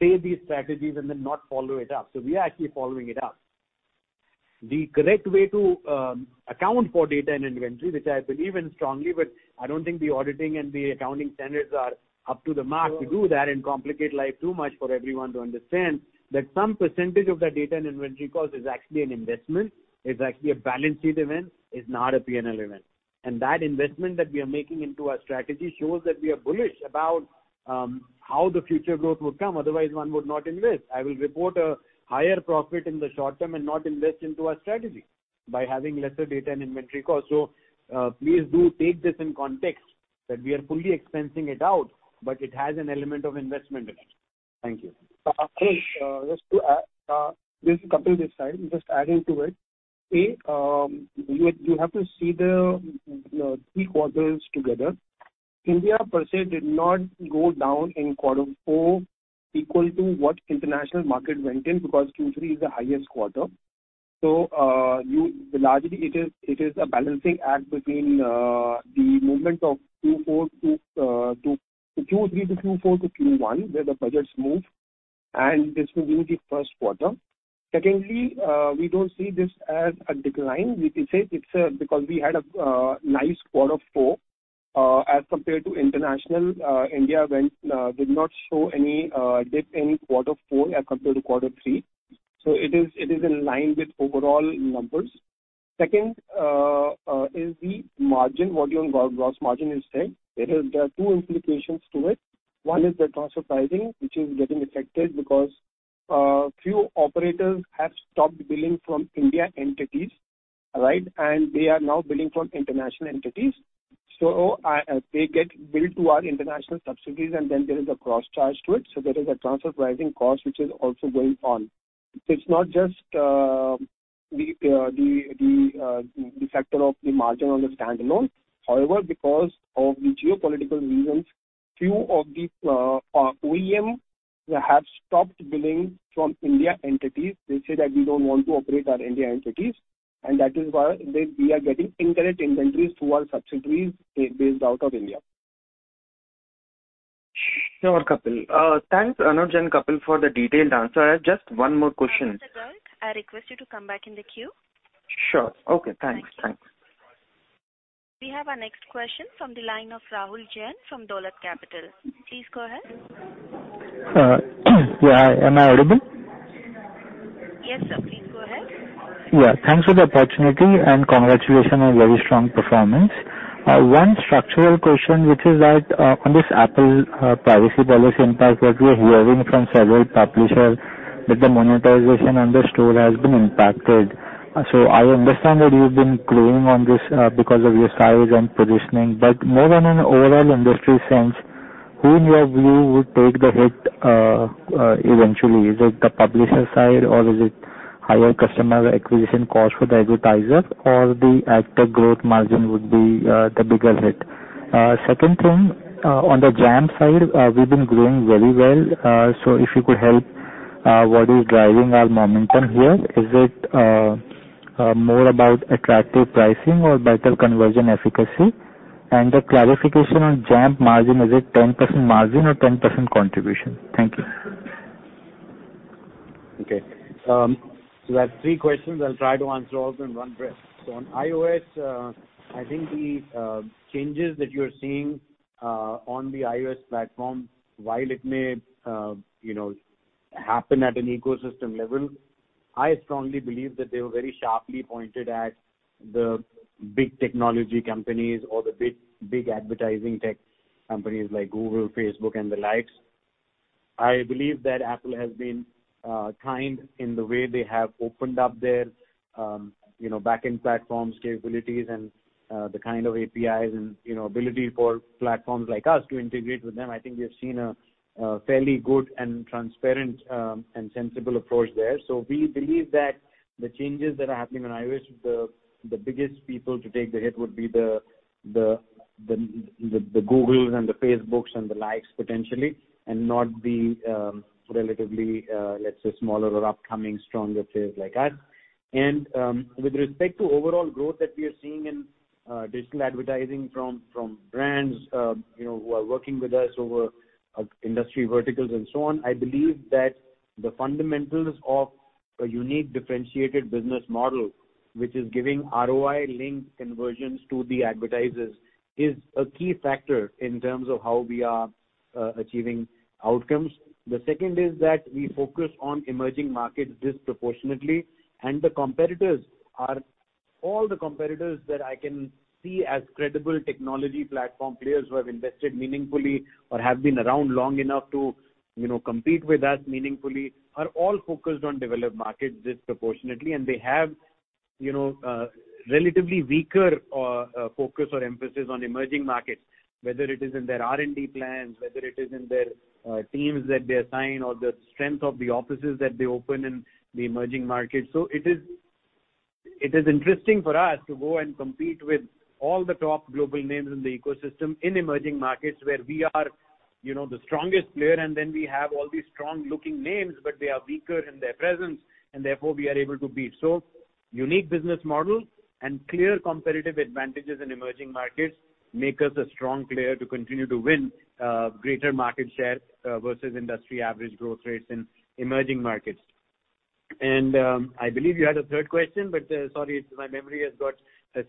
Speaker 2: say these strategies and then not follow it up. We are actually following it up. The correct way to account for data and inventory, which I believe in strongly, but I don't think the auditing and the accounting standards are up to the mark to do that and complicate life too much for everyone to understand, that some percentage of the data and inventory cost is actually an investment. It's actually a balance sheet event. It's not a P&L event. That investment that we are making into our strategy shows that we are bullish about how the future growth would come. Otherwise, one would not invest. I will report a higher profit in the short term and not invest into our strategy by having lesser data and inventory cost. Please do take this in context that we are fully expensing it out, but it has an element of investment in it. Thank you.
Speaker 3: Anuj, this is Kapil Bhutani this side. Just adding to it. You have to see the three quarters together. India per se did not go down in quarter four equal to what international market went down in because Q3 is the highest quarter. Largely, it is a balancing act between the movement of Q4 to Q3 to Q4 to Q1, where the budgets move, and this will be the Q1. Secondly, we don't see this as a decline. We can say it's because we had a nice quarter four as compared to international. India did not show any dip in quarter four as compared to quarter three. It is in line with overall numbers. Second is the margin, what you observed gross margin instead. It is. There are two implications to it. One is the transfer pricing, which is getting affected because few operators have stopped billing from Indian entities, right? They are now billing from international entities. They get billed to our international subsidiaries, and then there is a cross charge to it. There is a transfer pricing cost which is also going on. It's not just the factor of the margin on the standalone. However, because of the geopolitical reasons, few of the OEM have stopped billing from Indian entities. They say that we don't want to operate our Indian entities, and that is why we are getting incorrect invoices to our subsidiaries based out of India.
Speaker 8: Sure, Kapil. Thanks, Anuj and Kapil for the detailed answer. I have just one more question.
Speaker 1: Mr. Garg, I request you to come back in the queue.
Speaker 9: Sure. Okay. Thanks. Thanks.
Speaker 1: We have our next question from the line of Rahul Jain from Dolat Capital. Please go ahead.
Speaker 10: Yeah. Am I audible?
Speaker 1: Yes. Please go ahead.
Speaker 10: Yeah. Thanks for the opportunity, and congratulations on very strong performance. One structural question, which is that, on this Apple privacy policy impact that we're hearing from several publishers that the monetization on the store has been impacted. I understand that you've been growing on this, because of your size and positioning. More than an overall industry sense, who in your view would take the hit, eventually? Is it the publisher side, or is it higher customer acquisition cost for the advertiser or the AdTech growth margin would be, the bigger hit? Second thing, on the Jampp side, we've been growing very well. If you could help, what is driving our momentum here? Is it, more about attractive pricing or better conversion efficacy? The clarification on Jampp margin, is it 10% margin or 10% contribution? Thank you.
Speaker 2: Okay. That's three questions. I'll try to answer all of them in one breath. On iOS, I think the changes that you're seeing on the iOS platform, while it may, you know, happen at an ecosystem level, I strongly believe that they were very sharply pointed at the big technology companies or the big advertising tech companies like Google, Facebook and the likes. I believe that Affle has been kind in the way they have opened up their, you know, back-end platform capabilities and the kind of APIs and, you know, ability for platforms like us to integrate with them. I think we have seen a fairly good and transparent and sensible approach there. We believe that the changes that are happening on iOS, the Googles and the Facebooks and the likes potentially, and not the relatively, let's say, smaller or upcoming stronger players like us. With respect to overall growth that we are seeing in digital advertising from brands, you know, who are working with us over industry verticals and so on, I believe that the fundamentals of a unique differentiated business model, which is giving ROI-linked conversions to the advertisers, is a key factor in terms of how we are achieving outcomes. The second is that we focus on emerging markets disproportionately, and all the competitors that I can see as credible technology platform players who have invested meaningfully or have been around long enough to, you know, compete with us meaningfully, are all focused on developed markets disproportionately. They have, you know, relatively weaker focus or emphasis on emerging markets, whether it is in their R&D plans, whether it is in their teams that they assign or the strength of the offices that they open in the emerging markets. It is interesting for us to go and compete with all the top global names in the ecosystem in emerging markets where we are, you know, the strongest player, and then we have all these strong-looking names, but they are weaker in their presence and therefore we are able to beat. Unique business model and clear competitive advantages in emerging markets make us a strong player to continue to win greater market share versus industry average growth rates in emerging markets. I believe you had a third question, but sorry, my memory has got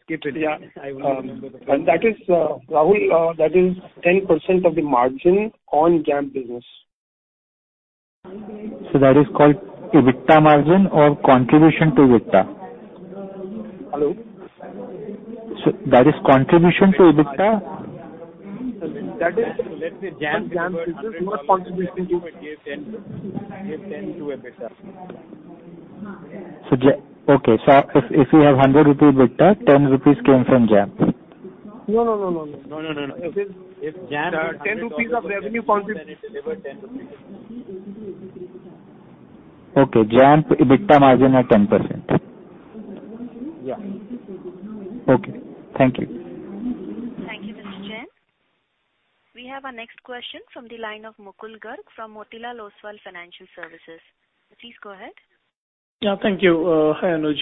Speaker 2: skipped.
Speaker 3: Yeah.
Speaker 2: I won't remember the third one.
Speaker 3: That is, Rahul, 10% of the margin on Jampp business.
Speaker 10: That is called EBITDA margin or contribution to EBITDA?
Speaker 2: Hello.
Speaker 10: That is contribution to EBITDA?
Speaker 2: That is, let's say Jampp is worth $100.
Speaker 3: Jampp $100 contributing to-
Speaker 2: Give 10 to EBITDA.
Speaker 10: If we have INR 100 EBITDA, INR 10 came from Jampp.
Speaker 3: No.
Speaker 2: No. If Jampp
Speaker 3: 10 rupees of revenue contribution.
Speaker 2: 10.
Speaker 10: Okay. Jampp EBITDA margin are 10%.
Speaker 2: Yeah.
Speaker 10: Okay. Thank you.
Speaker 1: Thank you, Mr. Jain. We have our next question from the line of Mukul Garg from Motilal Oswal Financial Services. Please go ahead.
Speaker 9: Yeah, thank you. Hi, Anuj.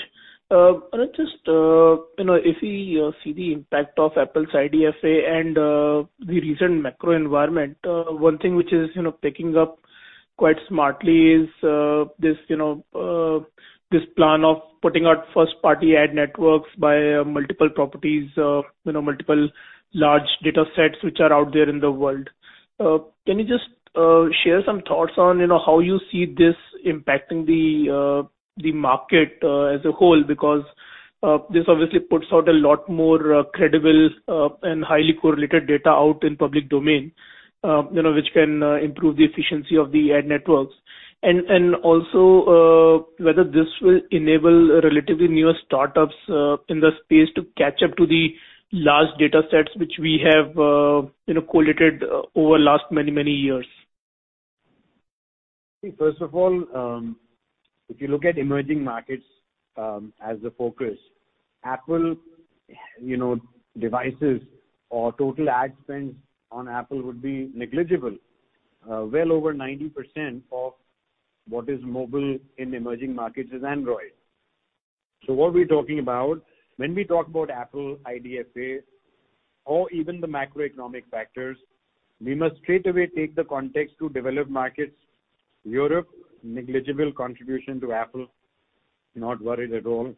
Speaker 9: I'll just, you know, if we see the impact of Apple's IDFA and the recent macro environment, one thing which is, you know, picking up quite smartly is this, you know, this plan of putting out first-party ad networks via multiple properties, you know, multiple large datasets which are out there in the world. Can you just share some thoughts on, you know, how you see this impacting the market as a whole? Because this obviously puts out a lot more credible and highly correlated data out in public domain, you know, which can improve the efficiency of the ad networks. Also, whether this will enable relatively newer startups in the space to catch up to the large datasets which we have, you know, collated over last many years.
Speaker 2: First of all, if you look at emerging markets, as the focus, Affle, you know, devices or total ad spend on Affle would be negligible. Well over 90% of what is mobile in emerging markets is Android. What we're talking about when we talk about Affle IDFA or even the macroeconomic factors, we must straightaway take the context to developed markets. Europe, negligible contribution to Affle, not worried at all.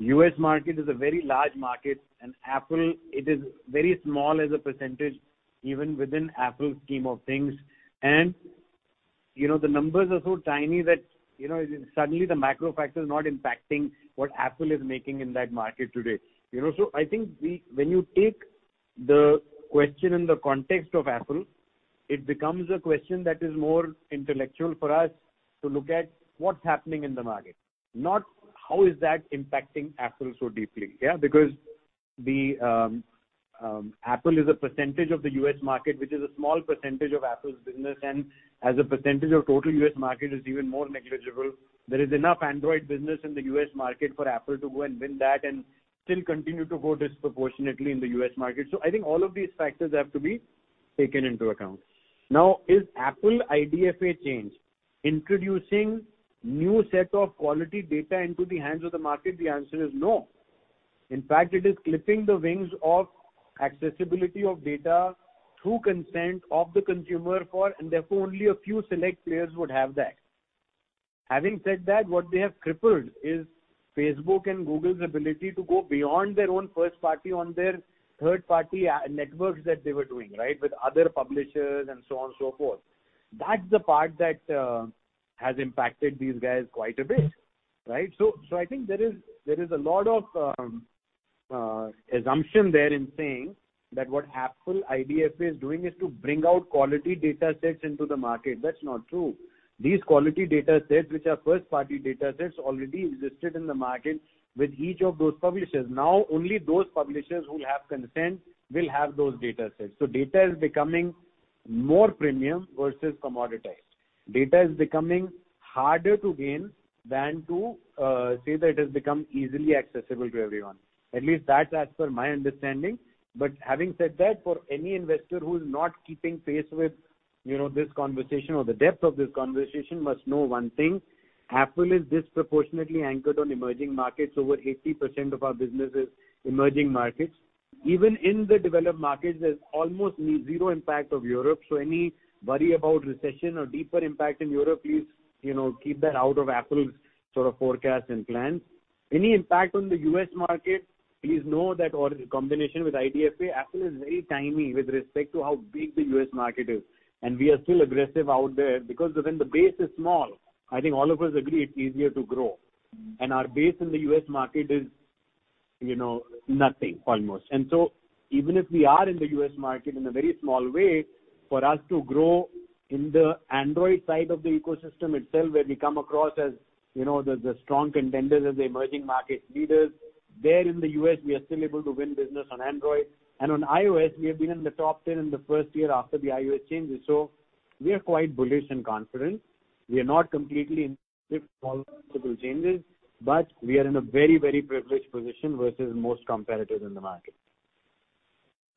Speaker 2: U.S. market is a very large market, and Affle, it is very small as a percentage, even within Affle's scheme of things. You know, the numbers are so tiny that, you know, suddenly the macro factor is not impacting what Affle is making in that market today. You know, I think when you take the question in the context of Affle, it becomes a question that is more intellectual for us to look at what's happening in the market, not how is that impacting Affle so deeply, yeah. Because the Affle is a percentage of the U.S. market, which is a small percentage of Affle's business, and as a percentage of total U.S. market is even more negligible. There is enough Android business in the U.S. market for Affle to go and win that and still continue to grow disproportionately in the U.S. market. I think all of these factors have to be taken into account. Now, is Affle IDFA change introducing new set of quality data into the hands of the market? The answer is no. In fact, it is clipping the wings of accessibility of data through consent of the consumer, and therefore only a few select players would have that. Having said that, what they have crippled is Facebook and Google's ability to go beyond their own first-party on their third-party networks that they were doing, right? With other publishers and so on and so forth. That's the part that has impacted these guys quite a bit, right? I think there is a lot of assumption there in saying that what Affle IDFA is doing is to bring out quality datasets into the market. That's not true. These quality datasets, which are first-party datasets, already existed in the market with each of those publishers. Now, only those publishers who have consent will have those datasets. So data is becoming more premium versus commoditized. Data is becoming harder to gain than to say that it has become easily accessible to everyone. At least that's as per my understanding. Having said that, for any investor who is not keeping pace with, you know, this conversation or the depth of this conversation must know one thing, Affle is disproportionately anchored on emerging markets. Over 80% of our business is emerging markets. Even in the developed markets, there's almost zero impact of Europe. Any worry about recession or deeper impact in Europe, please, you know, keep that out of Affle's sort of forecast and plans. Any impact on the U.S. market, please know that or in combination with IDFA, Affle is very tiny with respect to how big the U.S. market is, and we are still aggressive out there because when the base is small, I think all of us agree it's easier to grow. Our base in the U.S. market is, you know, nothing almost. Even if we are in the U.S. market in a very small way, for us to grow in the Android side of the ecosystem itself, where we come across as, you know, the strong contenders as the emerging market leaders, there in the U.S., we are still able to win business on Android. On iOS, we have been in the top ten in the first year after the iOS changes. We are quite bullish and confident. We are not completely changed, but we are in a very, very privileged position versus most competitors in the market.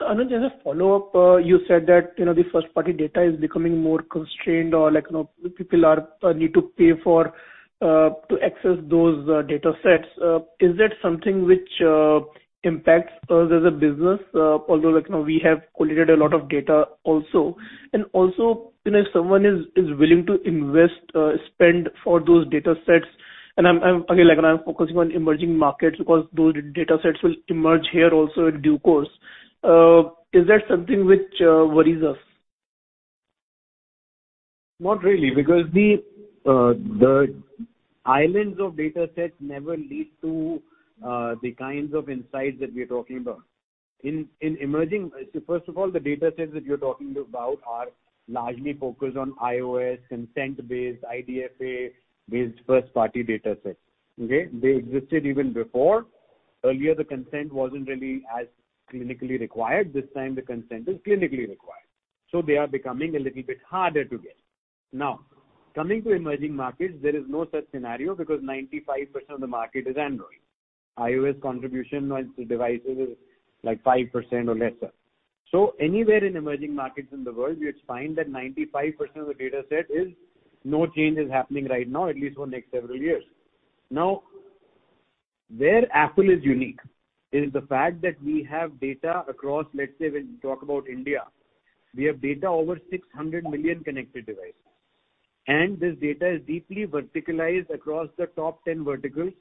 Speaker 9: Anuj, as a follow-up, you said that, you know, the first-party data is becoming more constrained or like, you know, people need to pay for to access those datasets. Is that something which impacts us as a business? Although like now we have collated a lot of data also. Also, you know, if someone is willing to invest, spend for those datasets. And I'm again, like when I'm focusing on emerging markets because those datasets will emerge here also in due course. Is that something which worries us?
Speaker 2: Not really, because the islands of datasets never lead to the kinds of insights that we're talking about. In emerging markets, so first of all, the datasets that you're talking about are largely focused on iOS consent-based, IDFA-based first-party datasets. Okay? They existed even before. Earlier, the consent wasn't really as clinically required. This time the consent is clinically required. So they are becoming a little bit harder to get. Now, coming to emerging markets, there is no such scenario because 95% of the market is Android. iOS contribution on devices is, like 5% or lesser. So anywhere in emerging markets in the world, you'll find that 95% of the dataset is no change is happening right now, at least for next several years. Now, where Apple is unique is the fact that we have data across, let's say, when you talk about India, we have data over 600 million connected devices, and this data is deeply verticalized across the top 10 verticals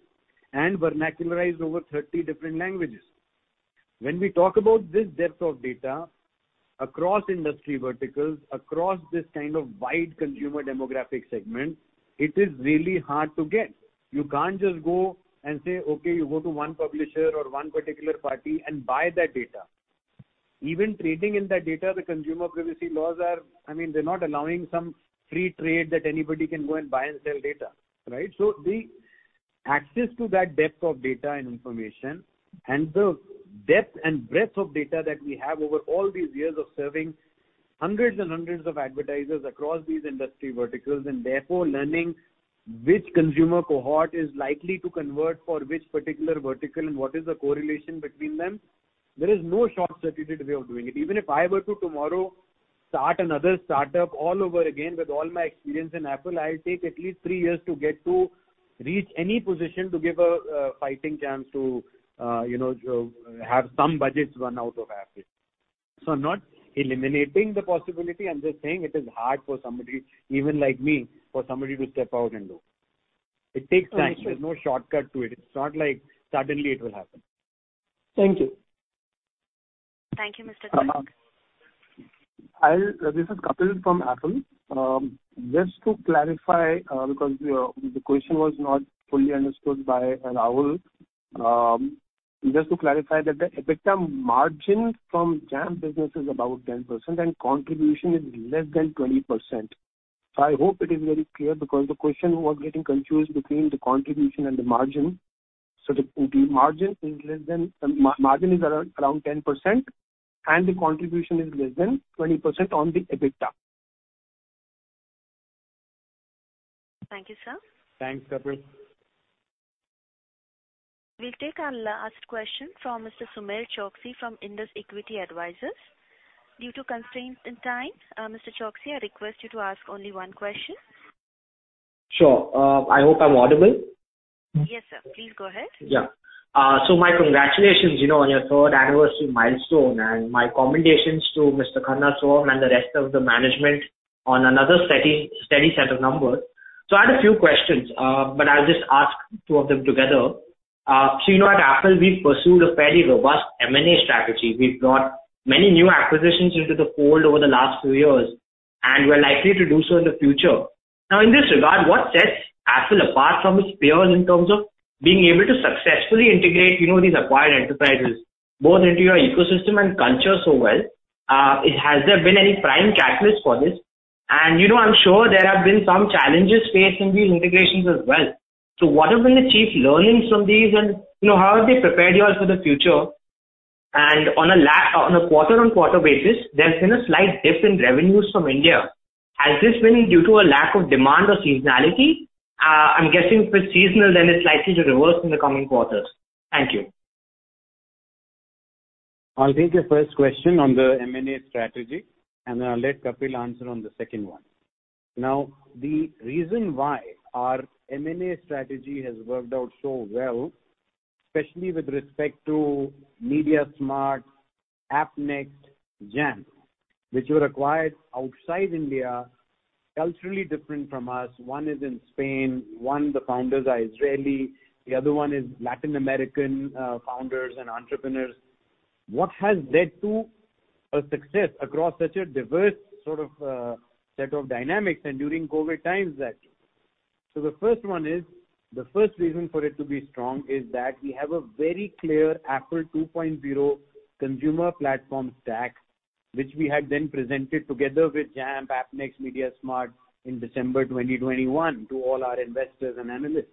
Speaker 2: and vernacularized over 30 different languages. When we talk about this depth of data across industry verticals, across this kind of wide consumer demographic segment, it is really hard to get. You can't just go and say, "Okay, you go to one publisher or one particular party and buy that data." Even trading in that data, the consumer privacy laws are, I mean, they're not allowing some free trade that anybody can go and buy and sell data, right? The access to that depth of data and information and the depth and breadth of data that we have over all these years of serving hundreds and hundreds of advertisers across these industry verticals, and therefore learning which consumer cohort is likely to convert for which particular vertical, and what is the correlation between them, there is no short-circuited way of doing it. Even if I were to tomorrow start another startup all over again with all my experience in Affle, I'll take at least three years to reach any position to give a fighting chance to you know have some budgets run out of Affle. I'm not eliminating the possibility. I'm just saying it is hard for somebody, even like me, for somebody to step out and do.
Speaker 9: Thank you.
Speaker 2: It takes time. There's no shortcut to it. It's not like suddenly it will happen.
Speaker 9: Thank you.
Speaker 1: Thank you, Mr. Garg.
Speaker 3: Uh-uh. This is Kapil from Affle. Just to clarify, because the question was not fully understood by Rahul. Just to clarify that the EBITDA margin from Jampp business is about 10% and contribution is less than 20%. I hope it is very clear because the question was getting confused between the contribution and the margin. The margin is less than. Margin is around 10%, and the contribution is less than 20% on the EBITDA.
Speaker 1: Thank you, sir.
Speaker 2: Thanks, Kapil.
Speaker 1: We'll take our last question from Mr. Sushil Choksey from Indus Equity Advisors. Due to constraints in time, Mr. Choksey, I request you to ask only one question.
Speaker 11: Sure. I hope I'm audible.
Speaker 1: Yes, sir. Please go ahead.
Speaker 11: Yeah, my congratulations, you know, on your third anniversary milestone, and my commendations to Mr. Anuj Khanna Sohum and the rest of the management on another steady set of numbers. I had a few questions, but I'll just ask two of them together. You know, at Affle, we've pursued a fairly robust M&A strategy. We've brought many new acquisitions into the fold over the last few years, and we're likely to do so in the future. Now, in this regard, what sets Affle apart from its peers in terms of being able to successfully integrate, you know, these acquired enterprises both into your ecosystem and culture so well? Has there been any prime catalyst for this? And, you know, I'm sure there have been some challenges faced in these integrations as well. What have been the chief learnings from these and, you know, how have they prepared you all for the future? On a quarter-on-quarter basis, there's been a slight dip in revenues from India. Has this been due to a lack of demand or seasonality? I'm guessing if it's seasonal, then it's likely to reverse in the coming quarters. Thank you.
Speaker 2: I'll take the first question on the M&A strategy, and then I'll let Kapil answer on the second one. Now, the reason why our M&A strategy has worked out so well, especially with respect to mediasmart, Appnext, Jampp, which were acquired outside India, culturally different from us. One is in Spain. One, the founders are Israeli. The other one is Latin American, founders and entrepreneurs. What has led to a success across such a diverse sort of, set of dynamics and during COVID times actually? The first one is, the first reason for it to be strong is that we have a very clear Affle 2.0 consumer platform stack, which we had then presented together with Jampp, Appnext, mediasmart in December 2021 to all our investors and analysts.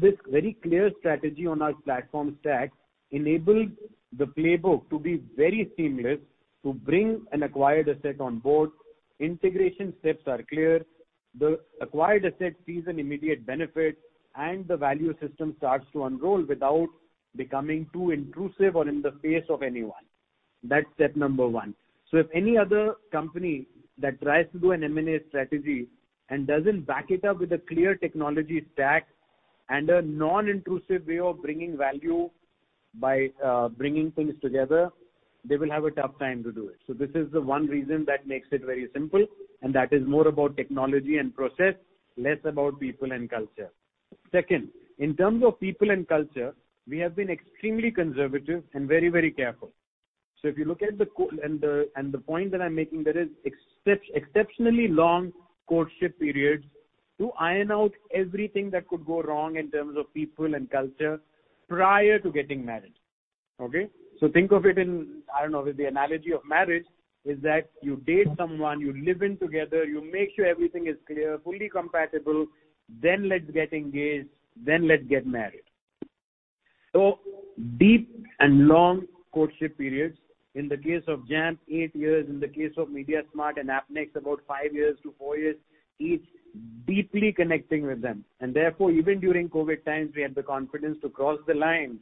Speaker 2: This very clear strategy on our platform stack enabled the playbook to be very seamless to bring an acquired asset on board. Integration steps are clear. The acquired asset sees an immediate benefit, and the value system starts to unroll without becoming too intrusive or in the face of anyone. That's step number one. If any other company that tries to do an M&A strategy and doesn't back it up with a clear technology stack and a non-intrusive way of bringing value by bringing things together, they will have a tough time to do it. This is the one reason that makes it very simple, and that is more about technology and process, less about people and culture. Second, in terms of people and culture, we have been extremely conservative and very, very careful. If you look at the co... The point that I'm making, there is exceptionally long courtship periods to iron out everything that could go wrong in terms of people and culture prior to getting married. Okay? So think of it in, I don't know, the analogy of marriage is that you date someone, you live together, you make sure everything is clear, fully compatible, then let's get engaged, then let's get married. So deep and long courtship periods. In the case of Jampp, eight years. In the case of mediasmart and Appnext, about five years to four years each, deeply connecting with them. And therefore, even during COVID times, we had the confidence to cross the line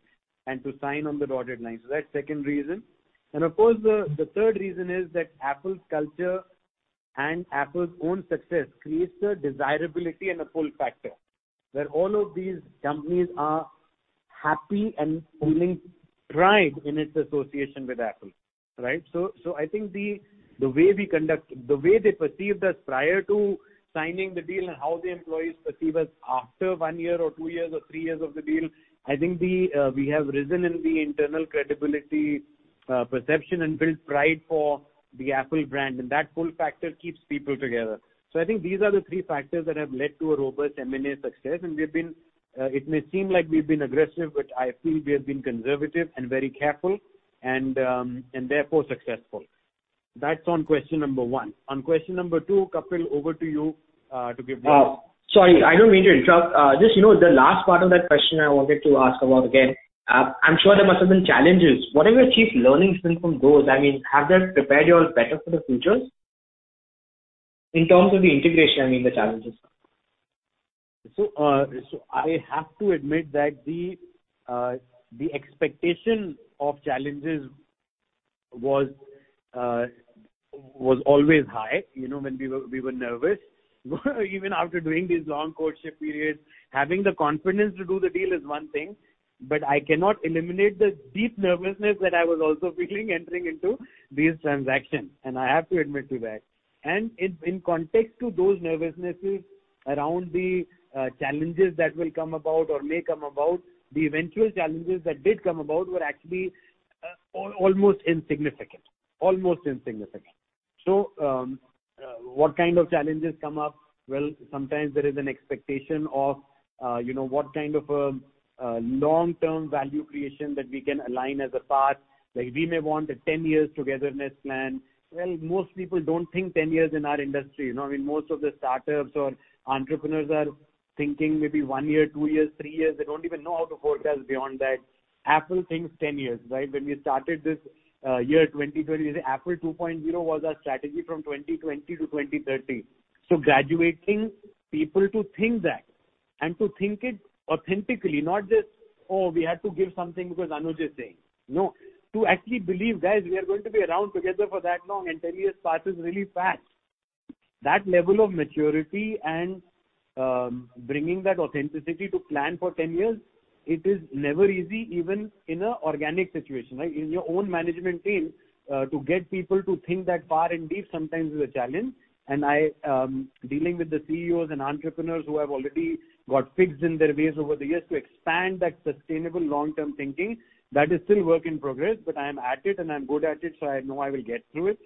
Speaker 2: and to sign on the dotted line. That's second reason. Of course, the third reason is that Affle's culture and Affle's own success creates a desirability and a pull factor, where all of these companies are happy and feeling pride in its association with Affle, right? I think the way they perceive us prior to signing the deal and how the employees perceive us after one year or two years or three years of the deal, I think we have risen in the internal credibility, perception and built pride for the Affle brand, and that pull factor keeps people together. I think these are the three factors that have led to a robust M&A success. We've been it may seem like we've been aggressive, but I feel we have been conservative and very careful and therefore successful. That's on question number one. On question number two, Kapil, over to you.
Speaker 11: Sorry, I don't mean to interrupt. Just, you know, the last part of that question I wanted to ask about again. I'm sure there must have been challenges. What are your chief learnings been from those? I mean, have they prepared you all better for the future? In terms of the integration, I mean, the challenges.
Speaker 2: I have to admit that the expectation of challenges was always high. You know, when we were nervous. Even after doing these long courtship periods, having the confidence to do the deal is one thing, but I cannot eliminate the deep nervousness that I was also feeling entering into these transactions, and I have to admit to that. In context to those nervousnesses around the challenges that will come about or may come about, the eventual challenges that did come about were actually almost insignificant. What kind of challenges come up? Well, sometimes there is an expectation of, you know, what kind of a long-term value creation that we can align as a path. Like, we may want a 10 years togetherness plan. Well, most people don't think 10 years in our industry. You know, I mean, most of the startups or entrepreneurs are thinking maybe one year, two years, three years. They don't even know how to forecast beyond that. Affle thinks 10 years, right? When we started this year, 2020, Affle 2.0 was our strategy from 2020 to 2030. Graduating people to think that and to think it authentically, not just, "Oh, we had to give something because Anuj is saying." No. To actually believe, guys, we are going to be around together for that long, and 10 years passes really fast. That level of maturity and bringing that authenticity to plan for 10 years, it is never easy, even in an organic situation, right? In your own management team, to get people to think that far and deep sometimes is a challenge. I dealing with the CEOs and entrepreneurs who have already got fixed in their ways over the years to expand that sustainable long-term thinking, that is still work in progress, but I am at it and I'm good at it, so I know I will get through it.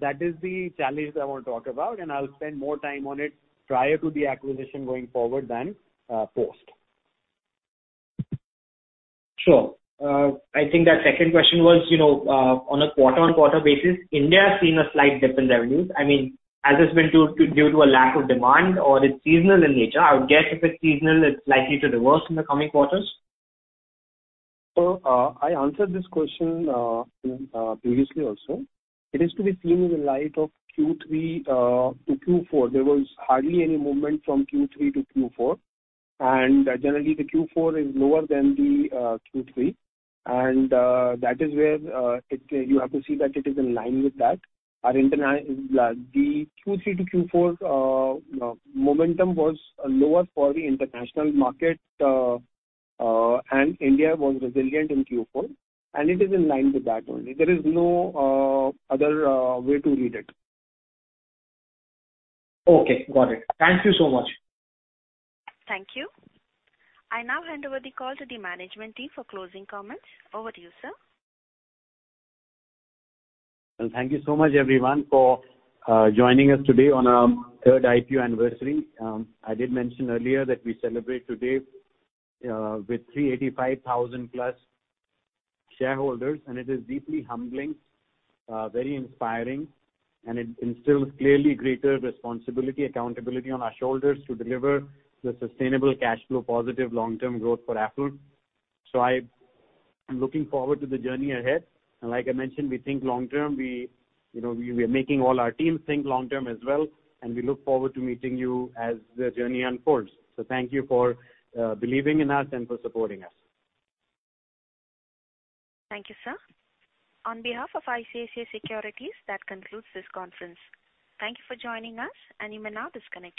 Speaker 2: That is the challenge that I wanna talk about, and I'll spend more time on it prior to the acquisition going forward than post.
Speaker 11: Sure. I think that second question was, you know, on a quarter-on-quarter basis, India has seen a slight dip in revenues. I mean, has this been due to a lack of demand or it's seasonal in nature? I would guess if it's seasonal, it's likely to reverse in the coming quarters.
Speaker 3: I answered this question previously also. It is to be seen in the light of Q3 to Q4. There was hardly any movement from Q3 to Q4. Generally, the Q4 is lower than the Q3. That is where it you have to see that it is in line with that. The Q3 to Q4 momentum was lower for the international market, and India was resilient in Q4, and it is in line with that only. There is no other way to read it.
Speaker 11: Okay. Got it. Thank you so much.
Speaker 1: Thank you. I now hand over the call to the management team for closing comments. Over to you, sir.
Speaker 2: Well, thank you so much everyone for joining us today on our third IPO anniversary. I did mention earlier that we celebrate today with 385,000+ shareholders, and it is deeply humbling, very inspiring, and it instills clearly greater responsibility, accountability on our shoulders to deliver the sustainable cash flow positive long-term growth for Affle. I am looking forward to the journey ahead. Like I mentioned, we think long-term. We, you know, are making all our teams think long-term as well, and we look forward to meeting you as the journey unfolds. Thank you for believing in us and for supporting us.
Speaker 1: Thank you, sir. On behalf of ICICI Securities, that concludes this conference. Thank you for joining us, and you may now disconnect your lines.